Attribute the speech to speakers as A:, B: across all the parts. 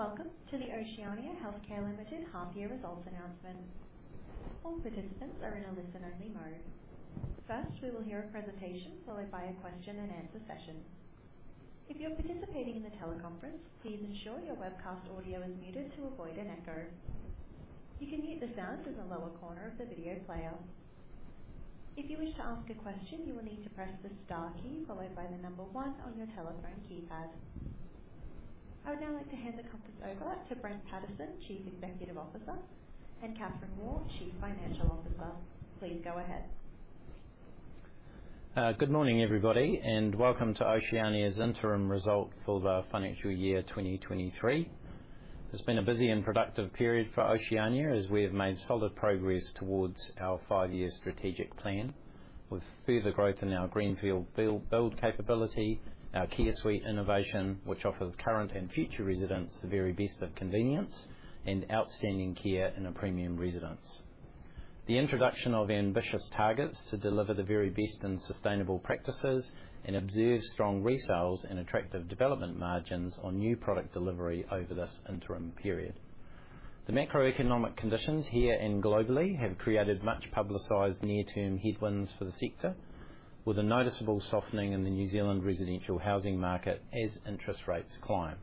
A: Welcome to the Oceania Healthcare Limited Half Year Results Announcement. All participants are in a listen only mode. First, we will hear a presentation, followed by a question and answer session. If you're participating in the teleconference, please ensure your webcast audio is muted to avoid an echo. You can mute the sound in the lower corner of the video player. If you wish to ask a question, you will need to press the star key followed by one on your telephone keypad. I would now like to hand the conference over to Brent Pattison, Chief Executive Officer, and Kathryn Waugh, Chief Financial Officer. Please go ahead.
B: Good morning, everybody, and welcome to Oceania's interim result for the financial year 2023. It's been a busy and productive period for Oceania, as we have made solid progress towards our five-year strategic plan with further growth in our greenfield build capability, our CareSuite innovation, which offers current and future residents the very best of convenience and outstanding care in a premium residence. The introduction of ambitious targets to deliver the very best in sustainable practices and observe strong resales and attractive development margins on new product delivery over this interim period. The macroeconomic conditions here and globally have created much publicized near-term headwinds for the sector, with a noticeable softening in the New Zealand residential housing market as interest rates climb.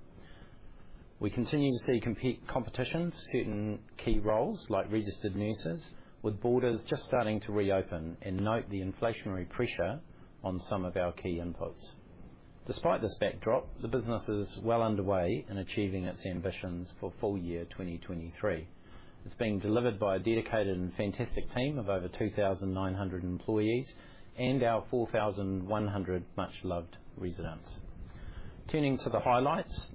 B: We continue to see competition for certain key roles like registered nurses, with borders just starting to reopen and note the inflationary pressure on some of our key inputs. Despite this backdrop, the business is well underway in achieving its ambitions for full year 2023. It's being delivered by a dedicated and fantastic team of over 2,900 employees and our 4,100 much-loved residents. Turning to the highlights,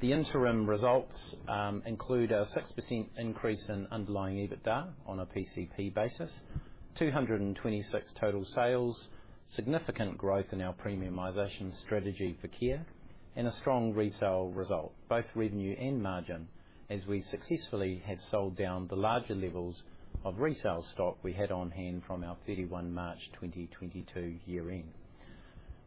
B: the interim results include a 6% increase in underlying EBITDA on a PCP basis, 226 total sales, significant growth in our premiumization strategy for care, and a strong resale result, both revenue and margin, as we successfully have sold down the larger levels of resale stock we had on hand from our 31 March 2022 year end.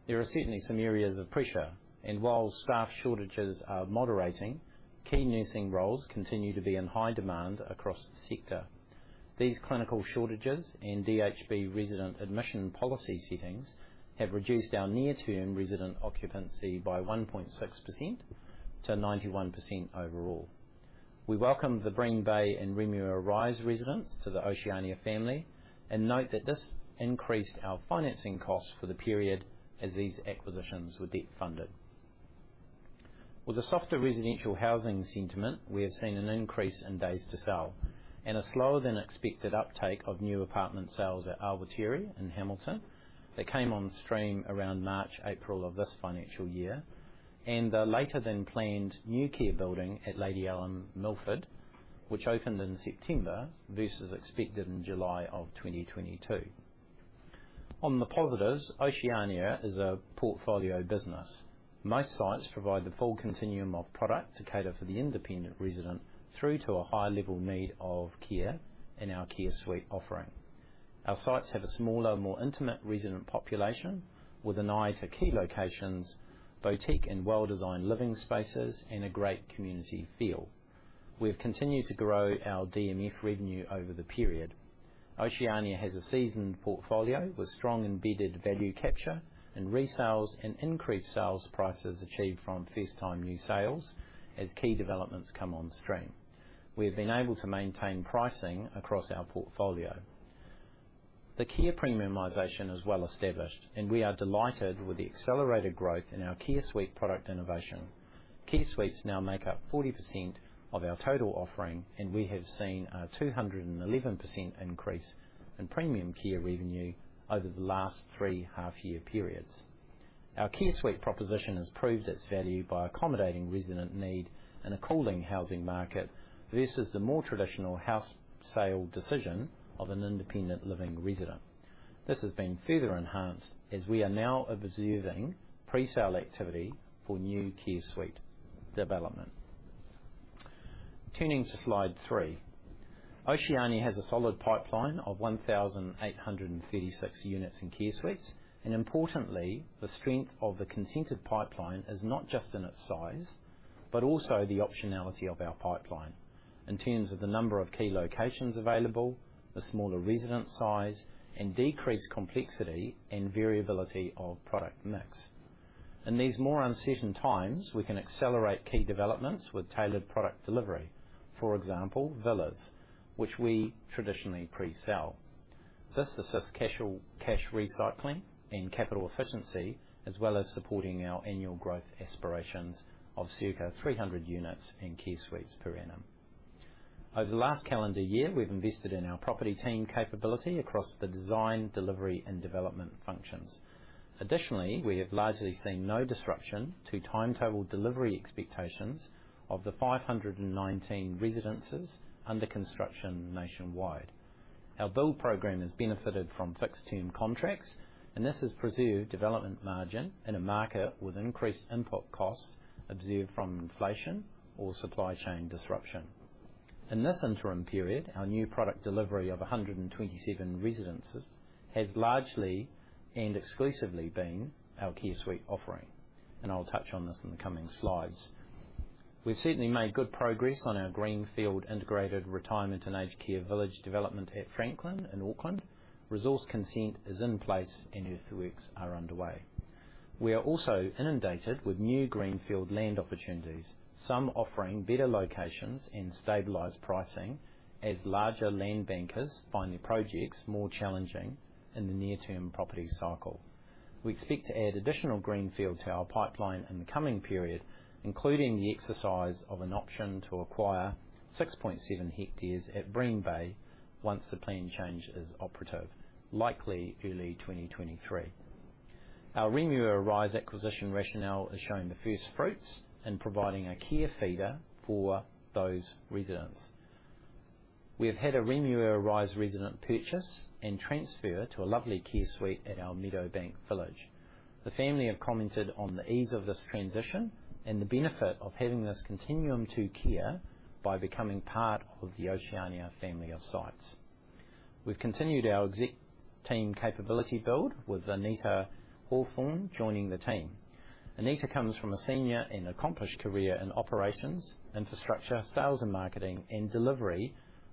B: There are certainly some areas of pressure, and while staff shortages are moderating, key nursing roles continue to be in high demand across the sector. These clinical shortages and DHB resident admission policy settings have reduced our near-term resident occupancy by 1.6%-91% overall. We welcome the Green Bay and Remuera Rise residents to the Oceania family and note that this increased our financing costs for the period as these acquisitions were debt funded. With a softer residential housing sentiment, we have seen an increase in days to sell and a slower than expected uptake of new apartment sales at Awatere in Hamilton. They came on stream around March, April of this financial year and a later-than-planned new care building at Lady Allum Milford, which opened in September versus expected in July of 2022. On the positives, Oceania is a portfolio business. Most sites provide the full continuum of product to cater for the independent resident through to a higher level need of care in our CareSuite offering. Our sites have a smaller, more intimate resident population with an eye to key locations, boutique and well-designed living spaces and a great community feel. We've continued to grow our DMF revenue over the period. Oceania has a seasoned portfolio with strong embedded value capture and resales and increased sales prices achieved from first time new sales as key developments come on stream. We have been able to maintain pricing across our portfolio. The care premiumization is well established and we are delighted with the accelerated growth in our CareSuite product innovation. CareSuites now make up 40% of our total offering, and we have seen a 211% increase in premium care revenue over the last three half year periods. Our CareSuite proposition has proved its value by accommodating resident need in a cooling housing market versus the more traditional house sale decision of an independent living resident. This has been further enhanced as we are now observing presale activity for new CareSuite development. Turning to slide three. Oceania has a solid pipeline of 1,836 units in CareSuites, and importantly, the strength of the consented pipeline is not just in its size, but also the optionality of our pipeline in terms of the number of key locations available, the smaller resident size and decreased complexity and variability of product mix. In these more uncertain times, we can accelerate key developments with tailored product delivery. For example, villas, which we traditionally presell. This assists casual cash recycling and capital efficiency, as well as supporting our annual growth aspirations of circa 300 units in CareSuites per annum. Over the last calendar year, we've invested in our property team capability across the design, delivery and development functions. Additionally, we have largely seen no disruption to timetabled delivery expectations of the 519 residences under construction nationwide. Our build program has benefited from fixed term contracts, and this has preserved development margin in a market with increased input costs observed from inflation or supply chain disruption. In this interim period, our new product delivery of 127 residences has largely and exclusively been our CareSuite offering, and I'll touch on this in the coming slides. We've certainly made good progress on our greenfield integrated retirement and aged care village development at Franklin in Auckland. Resource consent is in place and earthworks are underway. We are also inundated with new greenfield land opportunities, some offering better locations and stabilized pricing as larger land bankers find their projects more challenging in the near-term property cycle. We expect to add additional greenfield to our pipeline in the coming period, including the exercise of an option to acquire 6.7 hectares at Green Bay once the plan change is operative, likely early 2023. Our Remuera Rise acquisition rationale is showing the first fruits in providing a care feeder for those residents. We have had a Remuera Rise resident purchase and transfer to a lovely CareSuite at our Meadowbank village. The family have commented on the ease of this transition and the benefit of having this continuum to care by becoming part of the Oceania family of sites. We've continued our exec team capability build with Anita Hawthorne joining the team. Anita comes from a senior and accomplished career in operations, infrastructure, sales and marketing, and delivery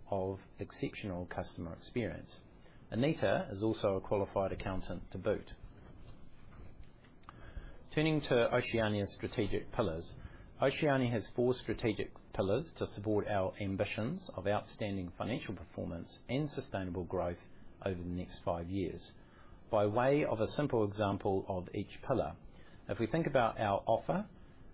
B: of exceptional customer experience. Anita is also a qualified accountant to boot. Turning to Oceania's strategic pillars. Oceania has four strategic pillars to support our ambitions of outstanding financial performance and sustainable growth over the next five years. By way of a simple example of each pillar, if we think about our offer,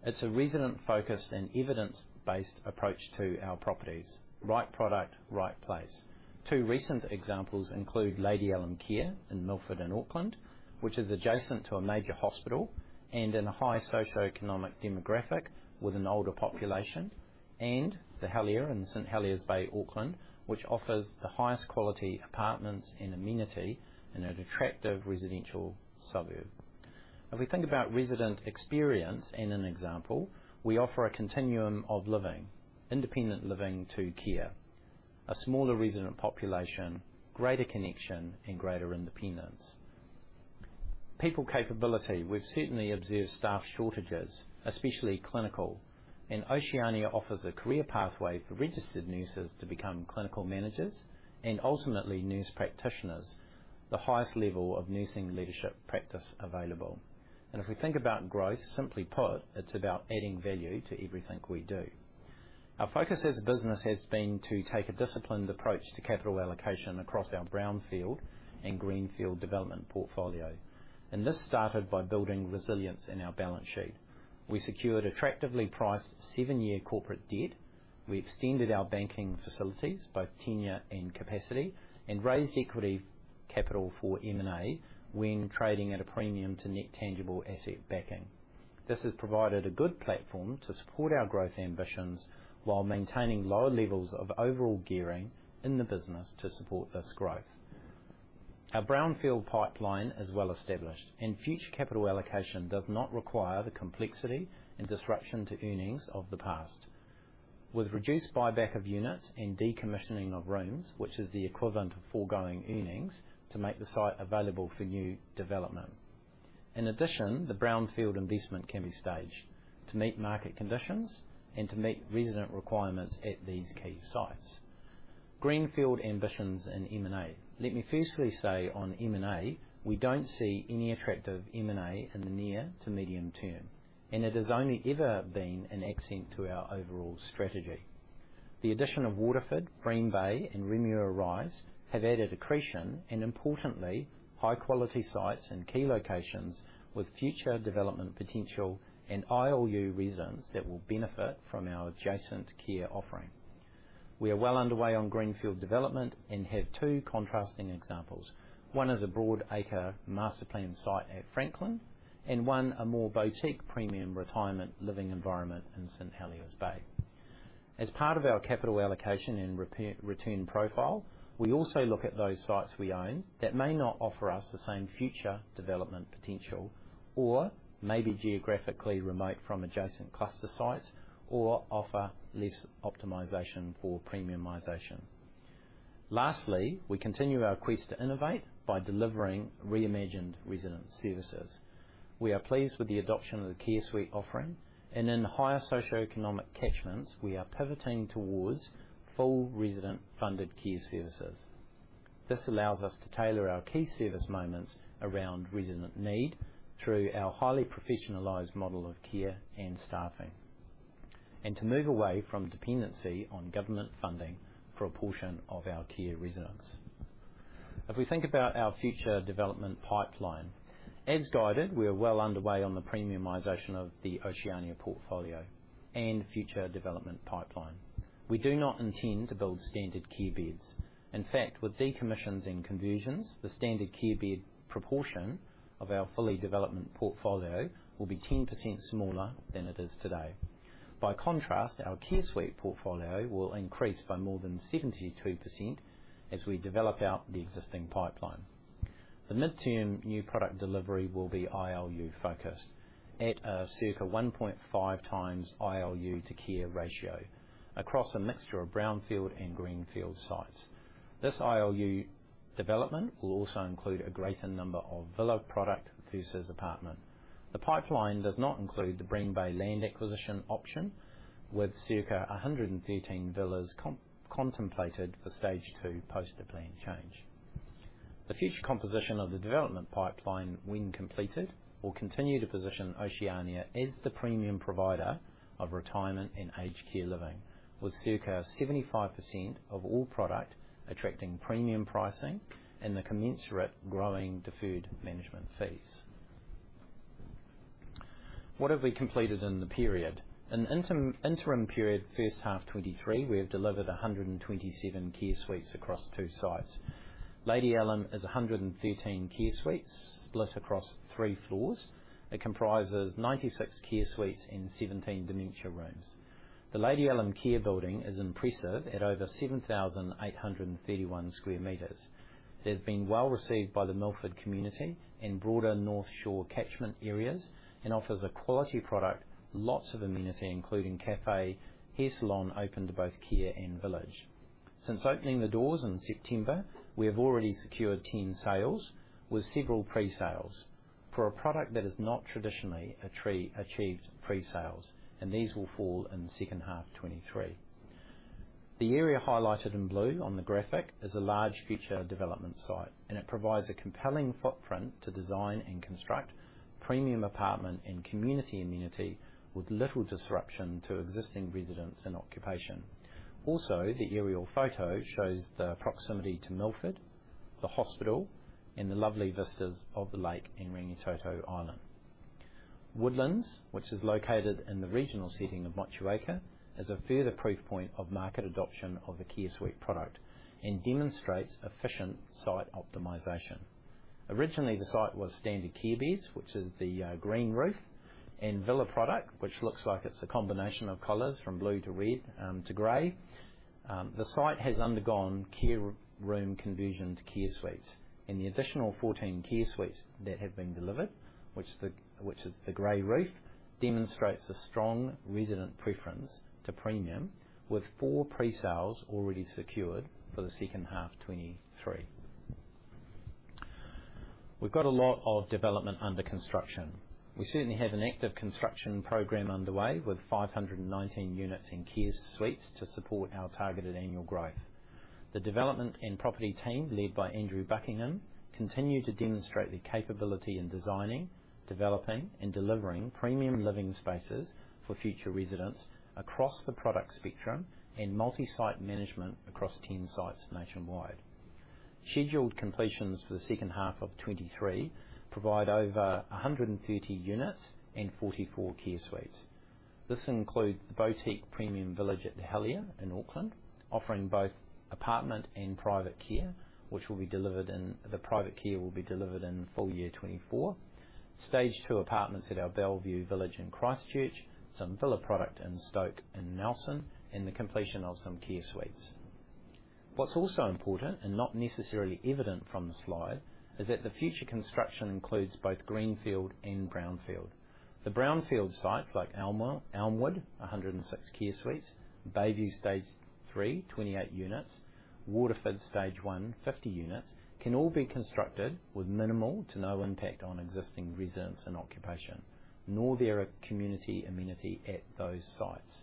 B: it's a resident-focused and evidence-based approach to our properties. Right product, right place. Two recent examples include Lady Allum Care in Milford in Auckland, which is adjacent to a major hospital and in a high socioeconomic demographic with an older population, and The Helier in St Heliers Bay, Auckland, which offers the highest quality apartments and amenity in an attractive residential suburb. If we think about resident experience in an example, we offer a continuum of living, independent living to care, a smaller resident population, greater connection, and greater independence. People capability, we've certainly observed staff shortages, especially clinical. Oceania offers a career pathway for registered nurses to become clinical managers and ultimately nurse practitioners, the highest level of nursing leadership practice available. If we think about growth, simply put, it's about adding value to everything we do. Our focus as a business has been to take a disciplined approach to capital allocation across our brownfield and greenfield development portfolio. This started by building resilience in our balance sheet. We secured attractively priced seven-year corporate debt. We extended our banking facilities, both tenure and capacity, and raised equity capital for M&A when trading at a premium to Net Tangible Asset backing. This has provided a good platform to support our growth ambitions while maintaining lower levels of overall gearing in the business to support this growth. Our brownfield pipeline is well established. Future capital allocation does not require the complexity and disruption to earnings of the past. With reduced buyback of units and decommissioning of rooms, which is the equivalent of foregoing earnings, to make the site available for new development. In addition, the brownfield investment can be staged to meet market conditions and to meet resident requirements at these key sites. Greenfield ambitions in M&A. Let me firstly say on M&A, we don't see any attractive M&A in the near to medium term, and it has only ever been an accent to our overall strategy. The addition of Waterford, Green Bay, and Remuera Rise have added accretion and importantly, high-quality sites and key locations with future development potential and ILU residents that will benefit from our adjacent care offering. We are well underway on greenfield development and have two contrasting examples. One is a broad acre master planned site at Franklin, one a more boutique premium retirement living environment in St Heliers Bay. As part of our capital allocation and rep-return profile, we also look at those sites we own that may not offer us the same future development potential or may be geographically remote from adjacent cluster sites or offer less optimization for premiumization. Lastly, we continue our quest to innovate by delivering reimagined resident services. We are pleased with the adoption of the CareSuite offering and in higher socioeconomic catchments, we are pivoting towards full resident-funded care services. This allows us to tailor our key service moments around resident need through our highly professionalized model of care and staffing, and to move away from dependency on government funding for a portion of our care residents. If we think about our future development pipeline, as guided, we are well underway on the premiumization of the Oceania portfolio and future development pipeline. We do not intend to build standard care beds. In fact, with decommissions and conversions, the standard care bed proportion of our fully developed portfolio will be 10% smaller than it is today. By contrast, our CareSuite portfolio will increase by more than 72% as we develop out the existing pipeline. The midterm new product delivery will be ILU focused at a circa 1.5x ILU to care ratio across a mixture of brownfield and greenfield sites. This ILU development will also include a greater number of villa product versus apartment. The pipeline does not include the Green Bay land acquisition option, with circa 113 villas contemplated for stage two post the plan change. The future composition of the development pipeline when completed, will continue to position Oceania as the premium provider of retirement and aged care living, with circa 75% of all product attracting premium pricing and the commensurate growing deferred management fees. What have we completed in the period? In interim period, first half 2023, we have delivered 127 CareSuites across two sites. Lady Allum is 113 CareSuites split across three floors. It comprises 96 CareSuites and 17 dementia rooms. The Lady Allum care building is impressive at over 7,831 m². It has been well received by the Milford community and broader North Shore catchment areas and offers a quality product, lots of amenity, including café, hair salon, open to both care and village. Since opening the doors in September, we have already secured 10 sales with several pre-sales. For a product that has not traditionally achieved pre-sales, these will fall in the second half 2023. The area highlighted in blue on the graphic is a large future development site, it provides a compelling footprint to design and construct premium apartment and community amenity with little disruption to existing residents and occupation. The aerial photo shows the proximity to Milford, the hospital, and the lovely vistas of the lake in Rangitoto Island. Woodlands, which is located in the regional setting of Motueka, is a further proof point of market adoption of the CareSuite product and demonstrates efficient site optimization. Originally, the site was standard care beds, which is the green roof, and villa product, which looks like it's a combination of colors from blue to red, to gray. The site has undergone care room conversion to CareSuites, and the additional 14 CareSuites that have been delivered, which is the gray roof, demonstrates a strong resident preference to premium with four pre-sales already secured for the second half 2023. We've got a lot of development under construction. We certainly have an active construction program underway with 519 units and CareSuites to support our targeted annual growth. The development and property team, led by Andrew Buckingham, continue to demonstrate their capability in designing, developing, and delivering premium living spaces for future residents across the product spectrum and multi-site management across 10 sites nationwide. Scheduled completions for the second half of 2023 provide over 130 units and 44 CareSuites. This includes the boutique premium village at The Helier in Auckland, offering both apartment and private care, which will be delivered. The private care will be delivered in full year 2024. Stage two apartments at our The Bellevue in Christchurch, some villa product in Stoke and Nelson, and the completion of some CareSuites. What's also important, and not necessarily evident from the slide, is that the future construction includes both greenfield and brownfield. The brownfield sites like Elmwood, 106 CareSuites, Bayview stage three, 28 units, Waterford stage one, 50 units, can all be constructed with minimal to no impact on existing residents and occupation, nor their community amenity at those sites.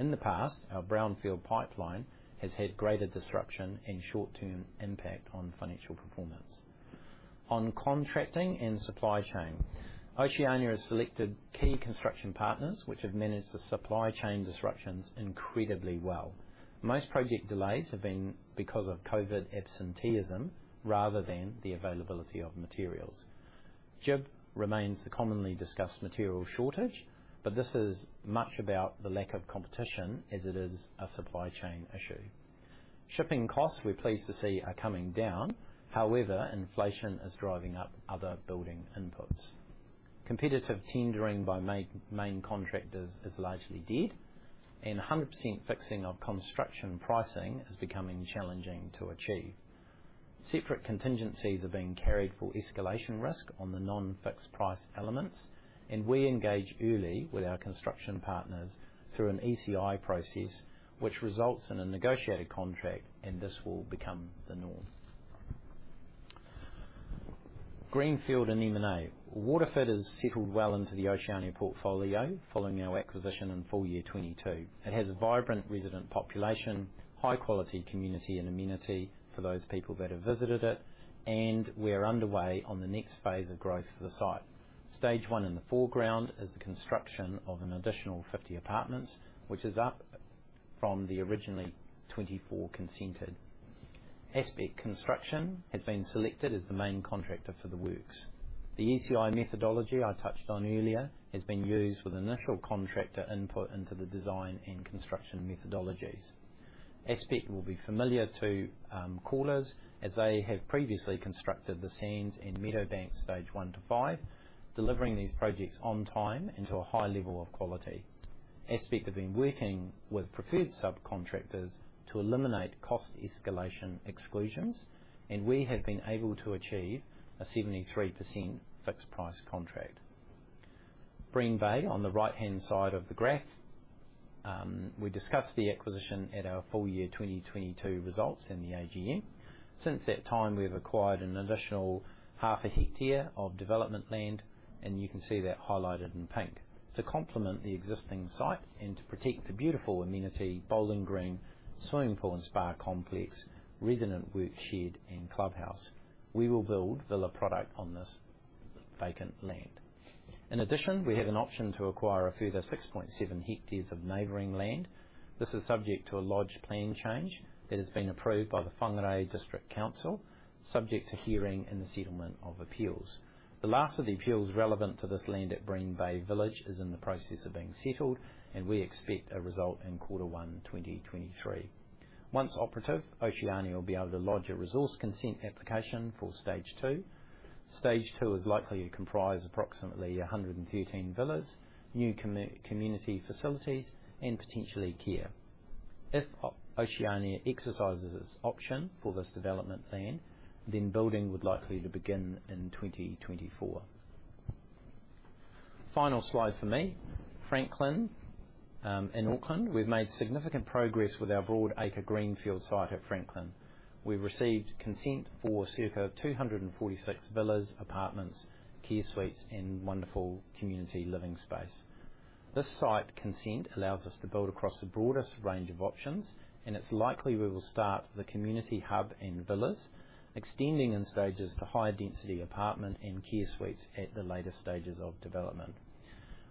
B: In the past, our brownfield pipeline has had greater disruption and short-term impact on financial performance. On contracting and supply chain, Oceania has selected key construction partners, which have managed the supply chain disruptions incredibly well. Most project delays have been because of COVID absenteeism rather than the availability of materials. GIB remains the commonly discussed material shortage, but this is much about the lack of competition as it is a supply chain issue. Shipping costs, we're pleased to see, are coming down. Inflation is driving up other building inputs. Competitive tendering by main contractors is largely dead, and 100% fixing of construction pricing is becoming challenging to achieve. Separate contingencies are being carried for escalation risk on the non-fixed price elements, and we engage early with our construction partners through an ECI process which results in a negotiated contract, and this will become the norm. Greenfield and M&A. Waterford has settled well into the Oceania portfolio following our acquisition in full year 2022. It has a vibrant resident population, high quality community and amenity for those people that have visited it, and we are underway on the next phase of growth for the site. Stage one in the foreground is the construction of an additional 50 apartments, which is up from the originally 24 consented. Aspect Construction has been selected as the main contractor for the works. The ECI methodology I touched on earlier has been used with initial contractor input into the design and construction methodologies. Aspect will be familiar to callers as they have previously constructed The Sands and Meadowbank stage one to five, delivering these projects on time and to a high level of quality. Aspect have been working with preferred subcontractors to eliminate cost escalation exclusions. We have been able to achieve a 73% fixed price contract. Green Bay, on the right-hand side of the graph, we discussed the acquisition at our full year 2022 results in the AGM. Since that time, we have acquired an additional half a hectare of development land, you can see that highlighted in pink. To complement the existing site and to protect the beautiful amenity bowling green, swimming pool and spa complex, resident workshed, and clubhouse, we will build villa product on this vacant land. We have an option to acquire a further 6.7 hectares of neighboring land. This is subject to a lodged plan change that has been approved by the Whangarei District Council, subject to hearing and the settlement of appeals. The last of the appeals relevant to this land at Green Bay Village is in the process of being settled. We expect a result in quarter one, 2023. Once operative, Oceania will be able to lodge a resource consent application for stage two. Stage two is likely to comprise approximately 113 villas, new community facilities, and potentially care. If Oceania exercises its option for this development plan, then building would likely to begin in 2024. Final slide for me. Franklin, in Auckland, we've made significant progress with our broad acre greenfield site at Franklin. We've received consent for circa 246 villas, apartments, CareSuites, and wonderful community living space. This site consent allows us to build across the broadest range of options, and it's likely we will start the community hub and villas, extending in stages to higher density apartment and CareSuites at the later stages of development.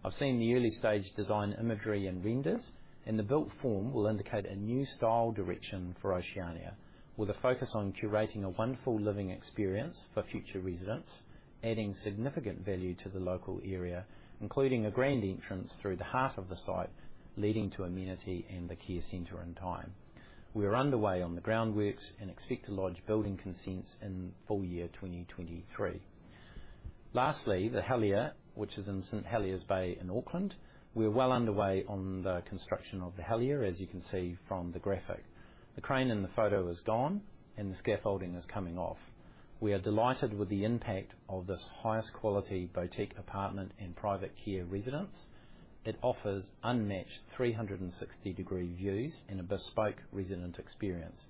B: I've seen the early-stage design imagery and renders, and the built form will indicate a new style direction for Oceania, with a focus on curating a wonderful living experience for future residents, adding significant value to the local area, including a grand entrance through the heart of the site, leading to amenity and the care center in time. We are underway on the groundworks and expect to lodge building consents in full year 2023. Lastly, The Helier, which is in St Heliers Bay in Auckland. We're well underway on the construction of The Helier, as you can see from the graphic. The crane in the photo is gone and the scaffolding is coming off. We are delighted with the impact of this highest quality boutique apartment and private care residence. It offers unmatched 360 degree views and a bespoke resident experience.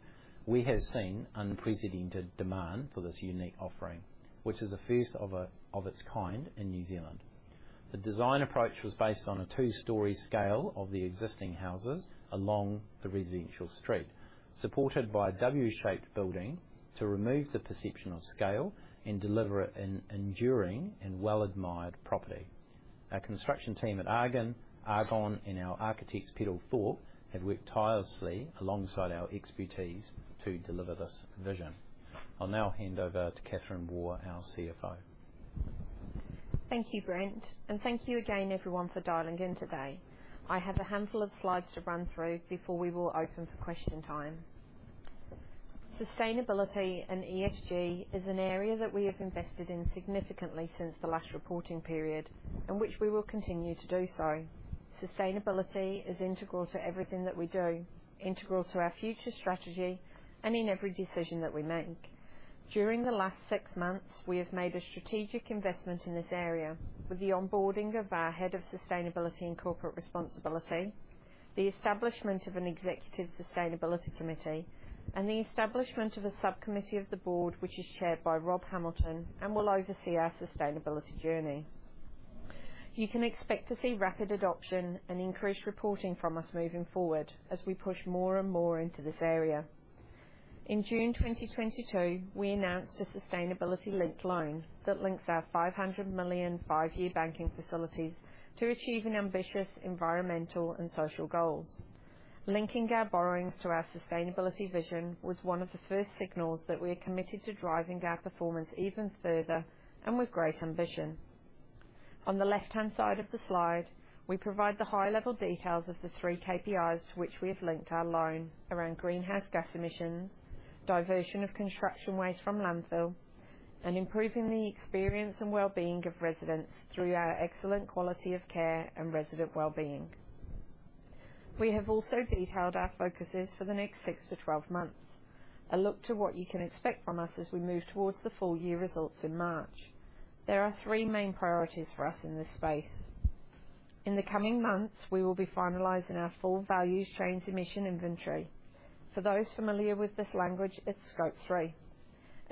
B: We have seen unprecedented demand for this unique offering, which is the first of its kind in New Zealand. The design approach was based on a two-story scale of the existing houses along the residential street, supported by a W-shaped building to remove the perception of scale and deliver an enduring and well-admired property. Our construction team at Argon and our architects, Peddle Thorp, have worked tirelessly alongside our expertise to deliver this vision. I'll now hand over to Kathryn Waugh, our CFO.
C: Thank you, Brent, and thank you again everyone for dialing in today. I have a handful of slides to run through before we will open for question time. Sustainability and ESG is an area that we have invested in significantly since the last reporting period, and which we will continue to do so. Sustainability is integral to everything that we do, integral to our future strategy, and in every decision that we make. During the last six months, we have made a strategic investment in this area with the onboarding of our Head of Sustainability and Corporate Responsibility, the establishment of an Executive Sustainability Committee, and the establishment of a subcommittee of the board, which is chaired by Rob Hamilton and will oversee our sustainability journey. You can expect to see rapid adoption and increased reporting from us moving forward as we push more and more into this area. In June 2022, we announced a Sustainability-Linked Loan that links our 500 million, five-year banking facilities to achieve an ambitious environmental and social goals. Linking our borrowings to our sustainability vision was one of the first signals that we are committed to driving our performance even further and with great ambition. On the left-hand side of the slide, we provide the high-level details of the three KPIs to which we have linked our loan: around greenhouse gas emissions, diversion of construction waste from landfill, and improving the experience and well-being of residents through our excellent quality of care and resident well-being. We have also detailed our focuses for the next six to 12 months. A look to what you can expect from us as we move towards the full year results in March. There are three main priorities for us in this space. In the coming months, we will be finalizing our full values chains emission inventory. For those familiar with this language, it's Scope three.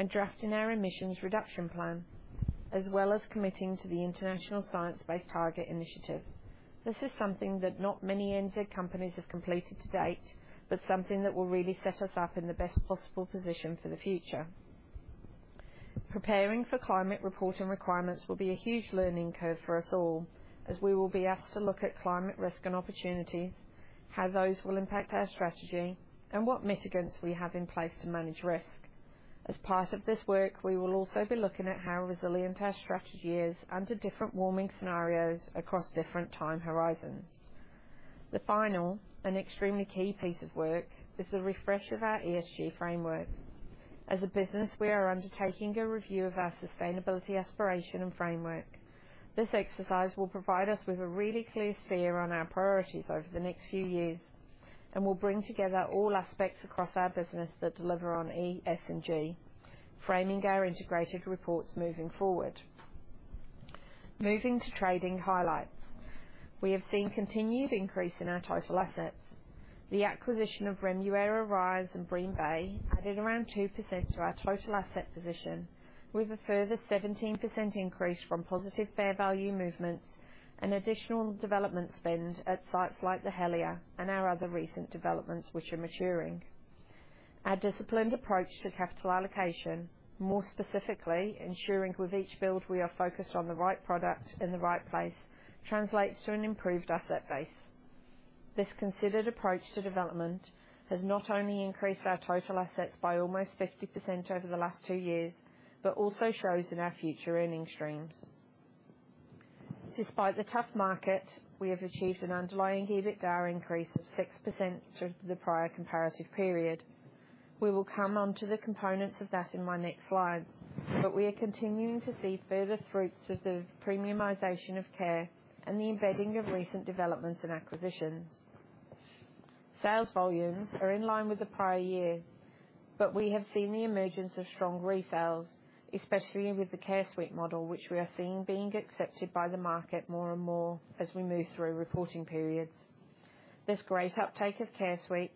C: Drafting our emissions reduction plan, as well as committing to the Science Based Targets initiative. This is something that not many NZ companies have completed to date, but something that will really set us up in the best possible position for the future. Preparing for climate reporting requirements will be a huge learning curve for us all, as we will be asked to look at climate risk and opportunities, how those will impact our strategy, and what mitigants we have in place to manage risk. As part of this work, we will also be looking at how resilient our strategy is under different warming scenarios across different time horizons. The final and extremely key piece of work is the refresh of our ESG framework. As a business, we are undertaking a review of our sustainability aspiration and framework. This exercise will provide us with a really clear sphere on our priorities over the next few years, and will bring together all aspects across our business that deliver on ESG, framing our integrated reports moving forward. Moving to trading highlights. We have seen continued increase in our total assets. The acquisition of Remuera Rise in Green Bay added around 2% to our total asset position, with a further 17% increase from positive fair value movements and additional development spend at sites like The Helier and our other recent developments, which are maturing. Our disciplined approach to capital allocation, more specifically, ensuring with each build we are focused on the right product in the right place, translates to an improved asset base. This considered approach to development has not only increased our total assets by almost 50% over the last two years, but also shows in our future earning streams. Despite the tough market, we have achieved an underlying EBITDA increase of 6% to the prior comparative period. We will come on to the components of that in my next slides, but we are continuing to see further fruits of the premiumization of care and the embedding of recent developments and acquisitions. Sales volumes are in line with the prior year. We have seen the emergence of strong resales, especially with the CareSuite model, which we are seeing being accepted by the market more and more as we move through reporting periods. This great uptake of CareSuites,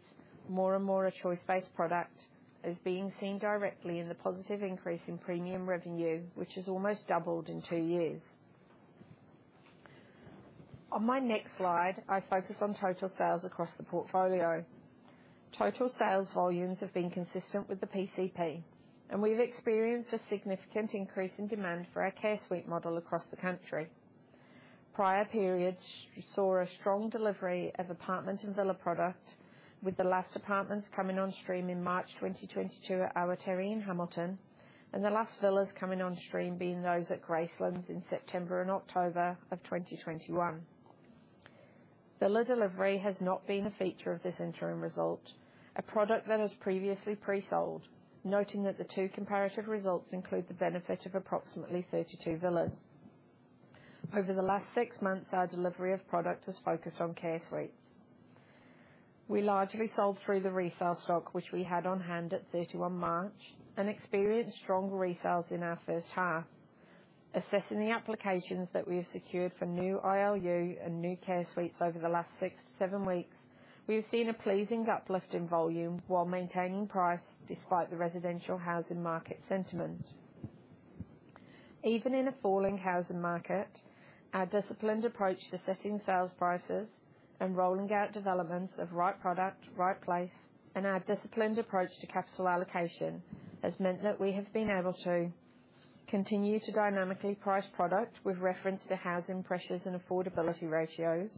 C: more and more a choice-based product, is being seen directly in the positive increase in premium revenue, which has almost doubled in two years. On my next slide, I focus on total sales across the portfolio. Total sales volumes have been consistent with the PCP, and we've experienced a significant increase in demand for our CareSuite model across the country. Prior periods saw a strong delivery of apartment and villa product, with the last apartments coming on stream in March 2022 at Awatere in Hamilton, and the last villas coming on stream being those at Gracelands in September and October of 2021. Villa delivery has not been a feature of this interim result, a product that was previously pre-sold, noting that the two comparative results include the benefit of approximately 32 villas. Over the last six months, our delivery of product has focused on Care Suites. We largely sold through the resale stock, which we had on-hand at 31 March and experienced strong resales in our first half. Assessing the applications that we have secured for new ILU and new Care Suites over the last six to seven weeks, we have seen a pleasing uplift in volume while maintaining price despite the residential housing market sentiment. Even in a falling housing market, our disciplined approach to setting sales prices and rolling out developments of right product, right place, and our disciplined approach to capital allocation has meant that we have been able to continue to dynamically price product with reference to housing pressures and affordability ratios,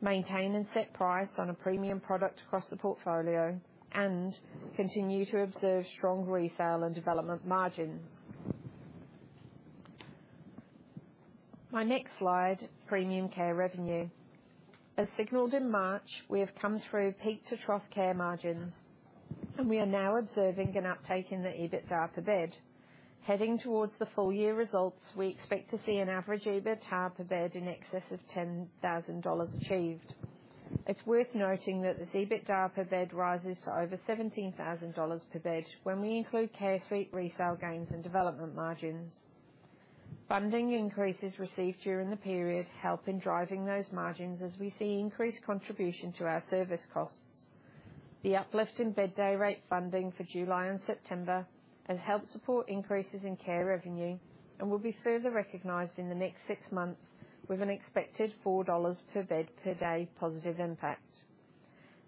C: maintain and set price on a premium product across the portfolio, and continue to observe strong resale and development margins. My next slide, premium care revenue. As signaled in March, we have come through peak-to-trough care margins, and we are now observing an uptake in the EBITDA per bed. Heading towards the full year results, we expect to see an average EBITDA per bed in excess of 10,000 dollars achieved. It's worth noting that this EBITDA per bed rises to over 17,000 dollars per bed when we include CareSuite resale gains and development margins. Funding increases received during the period help in driving those margins as we see increased contribution to our service costs. The uplift in bed day rate funding for July and September has helped support increases in care revenue and will be further recognized in the next six months with an expected 4 dollars per bed per day positive impact.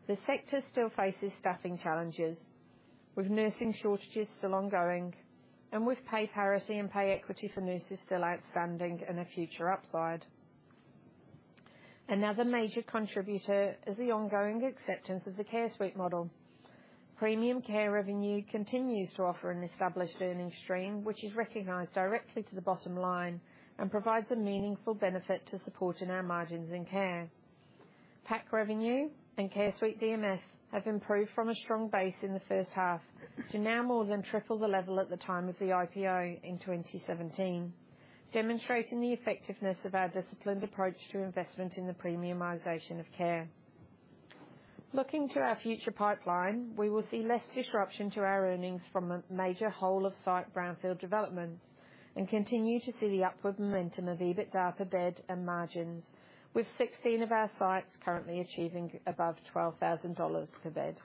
C: The sector still faces staffing challenges, with nursing shortages still ongoing and with pay parity and pay equity for nurses still outstanding and a future upside. Another major contributor is the ongoing acceptance of the CareSuite model. Premium care revenue continues to offer an established earnings stream, which is recognized directly to the bottom line and provides a meaningful benefit to supporting our margins in care. PAC revenue and CareSuite DMF have improved from a strong base in the first half to now more than triple the level at the time of the IPO in 2017, demonstrating the effectiveness of our disciplined approach to investment in the premiumization of care. Looking to our future pipeline, we will see less disruption to our earnings from a major whole-of-site brownfield development and continue to see the upward momentum of EBITDA per bed and margins, with 16 of our sites currently achieving above 12,000 dollars per bed.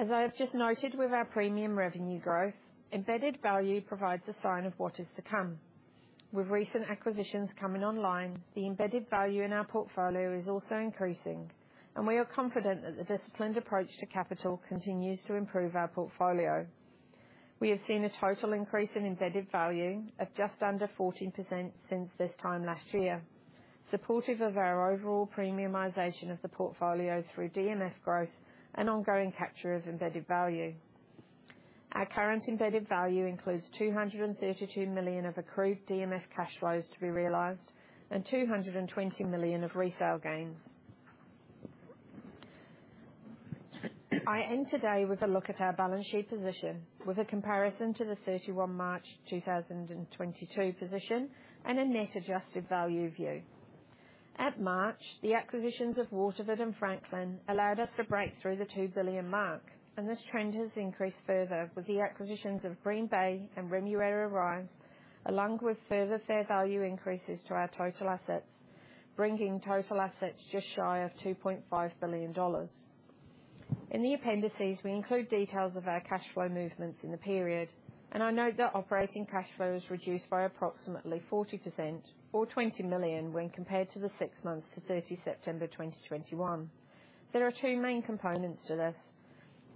C: As I have just noted with our premium revenue growth, embedded value provides a sign of what is to come. With recent acquisitions coming online, the embedded value in our portfolio is also increasing, and we are confident that the disciplined approach to capital continues to improve our portfolio. We have seen a total increase in embedded value of just under 14% since this time last year, supportive of our overall premiumization of the portfolio through DMF growth and ongoing capture of embedded value. Our current embedded value includes 232 million of accrued DMF cash flows to be realized and 220 million of resale gains. I end today with a look at our balance sheet position with a comparison to the 31 March 2022 position and a net adjusted value view. At March, the acquisitions of Waterford and Franklin allowed us to break through the 2 billion mark, this trend has increased further with the acquisitions of Green Bay and Remuera Rise, along with further fair value increases to our total assets, bringing total assets just shy of 2.5 billion dollars. In the appendices, we include details of our cash flow movements in the period, and I note that operating cash flow is reduced by approximately 40% or 20 million when compared to the six months to September 30, 2021. There are two main components to this.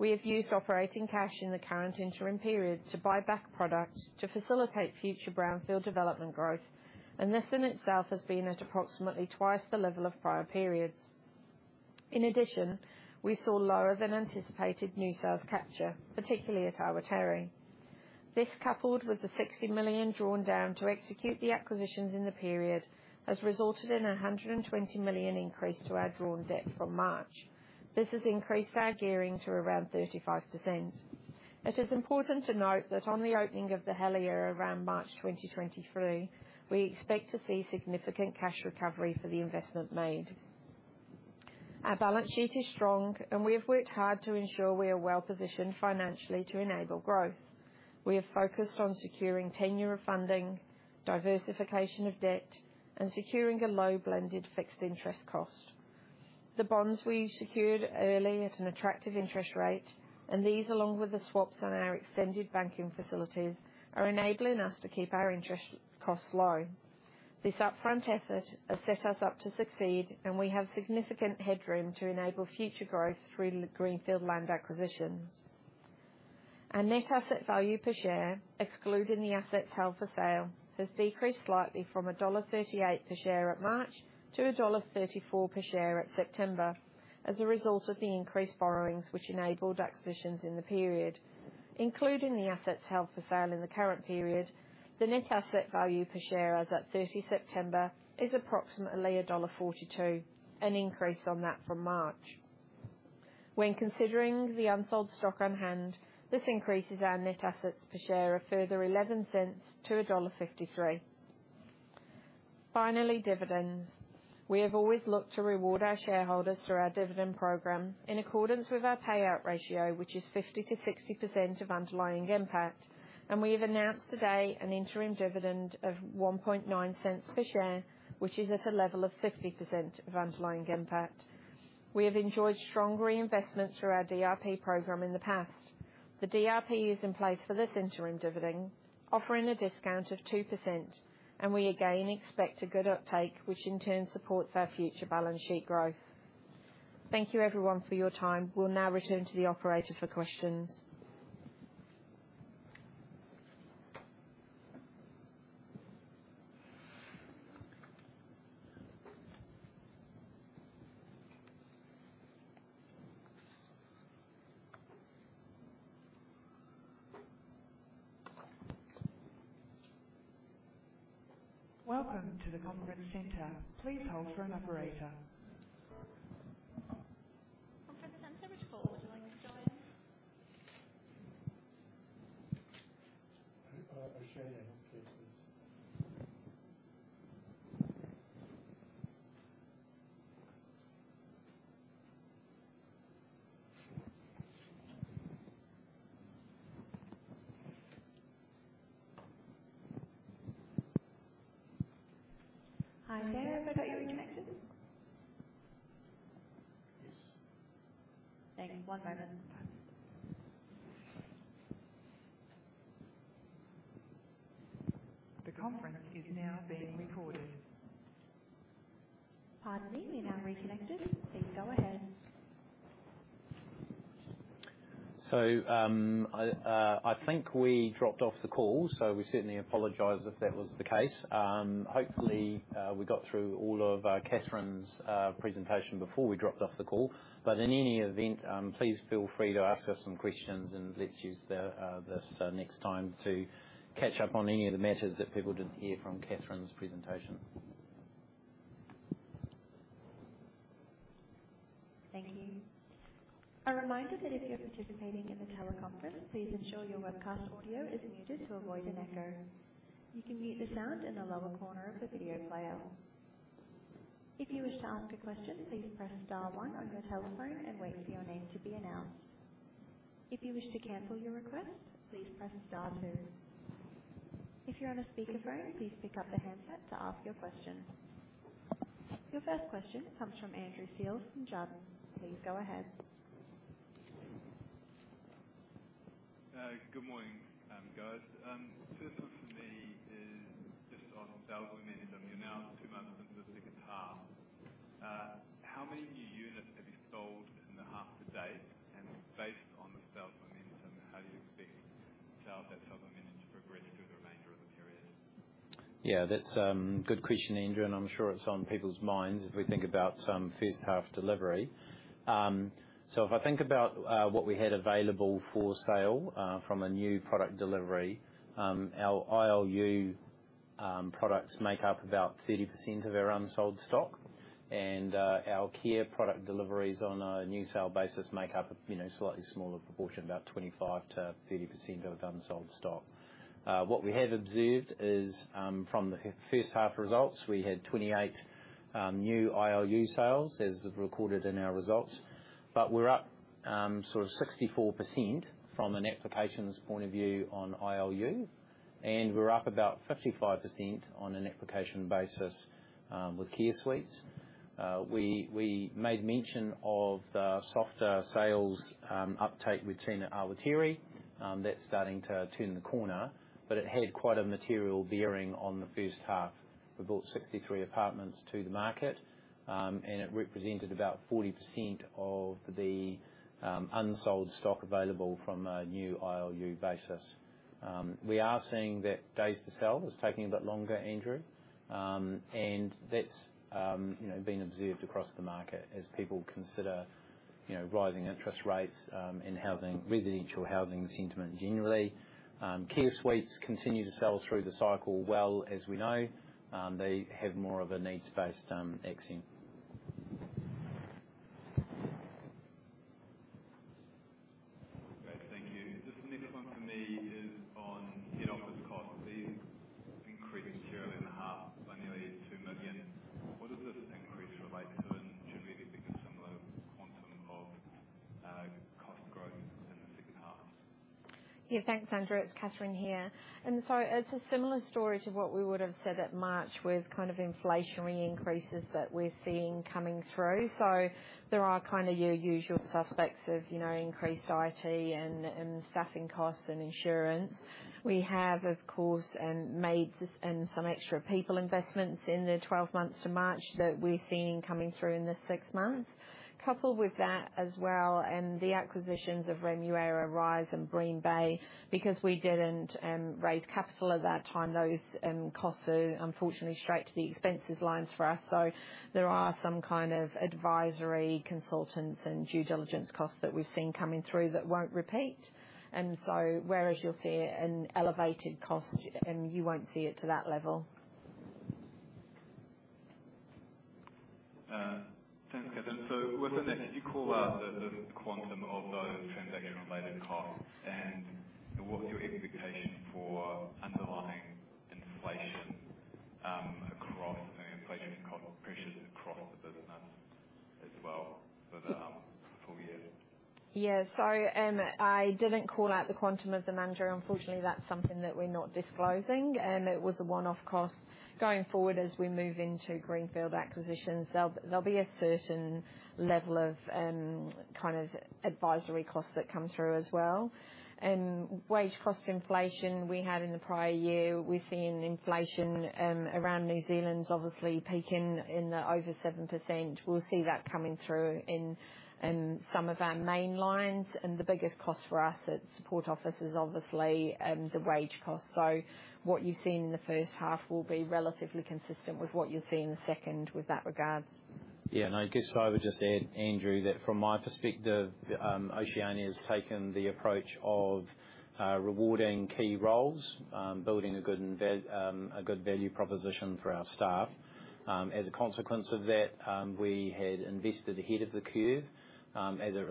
C: We have used operating cash in the current interim period to buy back product to facilitate future brownfield development growth, and this in itself has been at approximately 2x the level of prior periods. In addition, we saw lower than anticipated new sales capture, particularly at Awatere. This, coupled with the NZD 60 million drawn down to execute the acquisitions in the period, has resulted in a NZD 120 million increase to our drawn debt from March. This has increased our gearing to around 35%. It is important to note that on the opening of the Helier around March 2023, we expect to see significant cash recovery for the investment made. Our balance sheet is strong, and we have worked hard to ensure we are well positioned financially to enable growth. We are focused on securing tenure of funding, diversification of debt, and securing a low blended fixed interest cost. The bonds we secured early at an attractive interest rate, and these, along with the swaps on our extended banking facilities, are enabling us to keep our interest costs low. This upfront effort has set us up to succeed, and we have significant headroom to enable future growth through greenfield land acquisitions. Our net asset value per share, excluding the assets held for sale, has decreased slightly from dollar 1.38 per share at March to dollar 1.34 per share at September as a result of the increased borrowings which enabled acquisitions in the period. Including the assets held for sale in the current period, the net asset value per share as at 30 September is approximately dollar 1.42, an increase on that from March. When considering the unsold stock on hand, this increases our net assets per share a further 0.11-1.53 dollar. Finally, dividends. We have always looked to reward our shareholders through our dividend program in accordance with our payout ratio, which is 50%-60% of underlying impact. We have announced today an interim dividend of 0.019 per share, which is at a level of 50% of underlying impact. We have enjoyed strong reinvestment through our DRP program in the past. The DRP is in place for this interim dividend, offering a discount of 2%, and we again expect a good uptake, which in turn supports our future balance sheet growth. Thank you everyone for your time. We'll now return to the operator for questions.
A: Pardon me. You're now reconnected. Please go ahead.
B: I think we dropped off the call, so we certainly apologize if that was the case. Hopefully, we got through all of Kathryn's presentation before we dropped off the call. In any event, please feel free to ask us some questions and let's use the this next time to catch up on any of the matters that people didn't hear from Kathryn's presentation.
A: Thank you. A reminder that if you're participating in the teleconference, please ensure your webcast audio is muted to avoid an echo. You can mute the sound in the lower corner of the video player. If you wish to ask a question, please press star one on your telephone and wait for your name to be announced. If you wish to cancel your request, please press star two. If you're on a speakerphone, please pick up the handset to ask your question. Your first question comes from Andrew Sills from Jarden. Please go ahead.
D: Good morning, guys. First one for me is just on saleable management. You're now two months into the second half. How many units have you sold in the half to date? Based on the saleable management, how do you expect sale of that saleable management?
B: That's good question, Andrew, and I'm sure it's on people's minds if we think about some first half delivery. If I think about what we had available for sale from a new product delivery, our ILU products make up about 30% of our unsold stock. Our care product deliveries on a new sale basis make up, you know, a slightly smaller proportion, about 25%-30% of unsold stock. What we have observed is from the first half results, we had 28 new ILU sales, as recorded in our results. We're up, sort of 64% from a net applications point of view on ILU, and we're up about 55% on a net application basis with Care Suites. We made mention of the softer sales uptake we've seen at Awatere. That's starting to turn the corner. It had quite a material bearing on the first half. We brought 63 apartments to the market. It represented about 40% of the unsold stock available from a new ILU basis. We are seeing that days to sell is taking a bit longer, Andrew, and that's, you know, been observed across the market as people consider, you know, rising interest rates and housing, residential housing sentiment generally. CareSuites continue to sell through the cycle well, as we know. They have more of a needs-based accent.
D: Great. Thank you. Just the next one from me is on head office costs. This increased year over in the half by nearly NZD 2 million. What does this increase relate to, and should we be thinking some of the quantum of cost growth in the second half?
C: Yeah, thanks, Andrew. It's Kathryn here. It's a similar story to what we would've said at March, with kind of inflationary increases that we're seeing coming through. There are kinda your usual suspects of, you know, increased IT and staffing costs, and insurance. We have, of course, made some extra people investments in the 12 months to March that we're seeing coming through in this six months. Coupled with that as well, the acquisitions of Remuera Rise and Green Bay, because we didn't raise capital at that time, those costs are unfortunately straight to the expenses lines for us. There are some kind of advisory, consultants, and due diligence costs that we've seen coming through that won't repeat. Whereas you'll see an elevated cost, you won't see it to that level.
D: Thanks, Kathryn. With the next, you call out the quantum of those transaction-related costs. What's your expectation for underlying inflation, across, you know, inflation cost pressures across the business as well for the full year?
C: I didn't call out the quantum of the manager. Unfortunately, that's something that we're not disclosing, and it was a one-off cost. Going forward, as we move into greenfield acquisitions, there'll be a certain level of kind of advisory costs that come through as well. Wage cost inflation we had in the prior year, we're seeing inflation around New Zealand's obviously peaking in the over 7%. We'll see that coming through in some of our main lines. The biggest cost for us at support office is obviously the wage cost. What you're seeing in the first half will be relatively consistent with what you'll see in the second with that regards.
B: I guess I would just add, Andrew, that from my perspective, Oceania has taken the approach of rewarding key roles, building a good value proposition for our staff. As a consequence of that, we had invested ahead of the curve, as it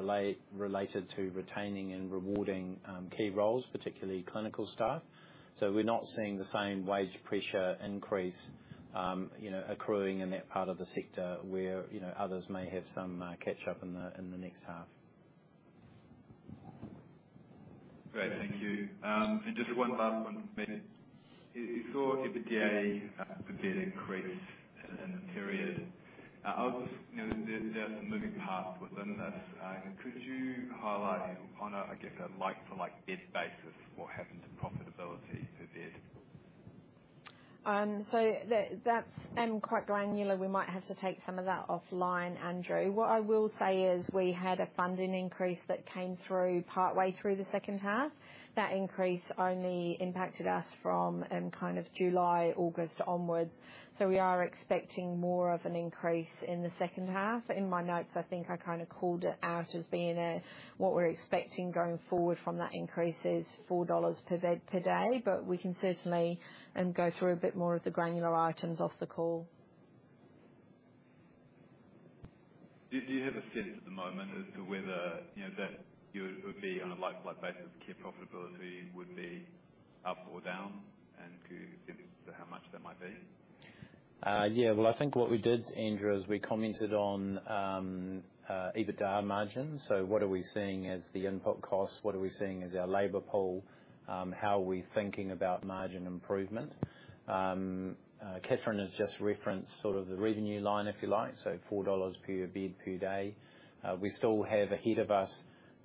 B: related to retaining and rewarding, key roles, particularly clinical staff. So we're not seeing the same wage pressure increase, you know, accruing in that part of the sector where, you know, others may have some catch up in the next half.
D: Great. Thank you. Just one last one from me. You saw EBITDA per bed increase in the period. I was, you know, there's some moving parts within this. Could you highlight on a, I guess, a like-to-like bed basis what happened to profitability per bed?
C: That's quite granular. We might have to take some of that offline, Andrew. What I will say is we had a funding increase that came through partway through the second half. That increase only impacted us from kind of July, August onwards, so we are expecting more of an increase in the second half. In my notes, I think I kinda called it out as being what we're expecting going forward from that increase is $4 per bed per day. We can certainly go through a bit more of the granular items off the call.
D: Do you have a sense at the moment as to whether, you know, that you would be on a like-by-like basis care profitability would be up or down? Could you give us to how much that might be?
B: Yeah. Well, I think what we did, Andrew, is we commented on EBITDA margins. What are we seeing as the input costs? What are we seeing as our labor pool? How are we thinking about margin improvement? Kathryn has just referenced sort of the revenue line, if you like, so $4 per bed per day. We still have ahead of us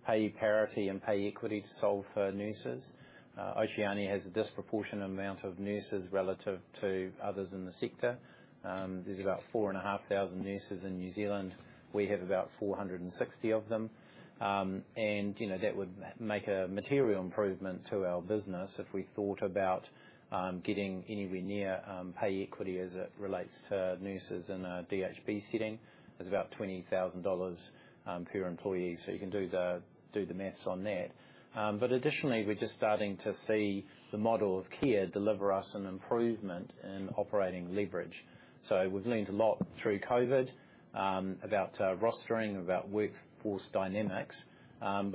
B: Pay Parity and Pay Equity to solve for nurses. Oceania has a disproportionate amount of nurses relative to others in the sector. There's about 4,500 nurses in New Zealand. We have about 460 of them. You know, that would make a material improvement to our business if we thought about getting anywhere near pay equity as it relates to nurses in a DHB setting. It's about $20,000 per employee, you can do the math on that. Additionally, we're just starting to see the model of care deliver us an improvement in operating leverage. We've learned a lot through COVID about rostering, about workforce dynamics,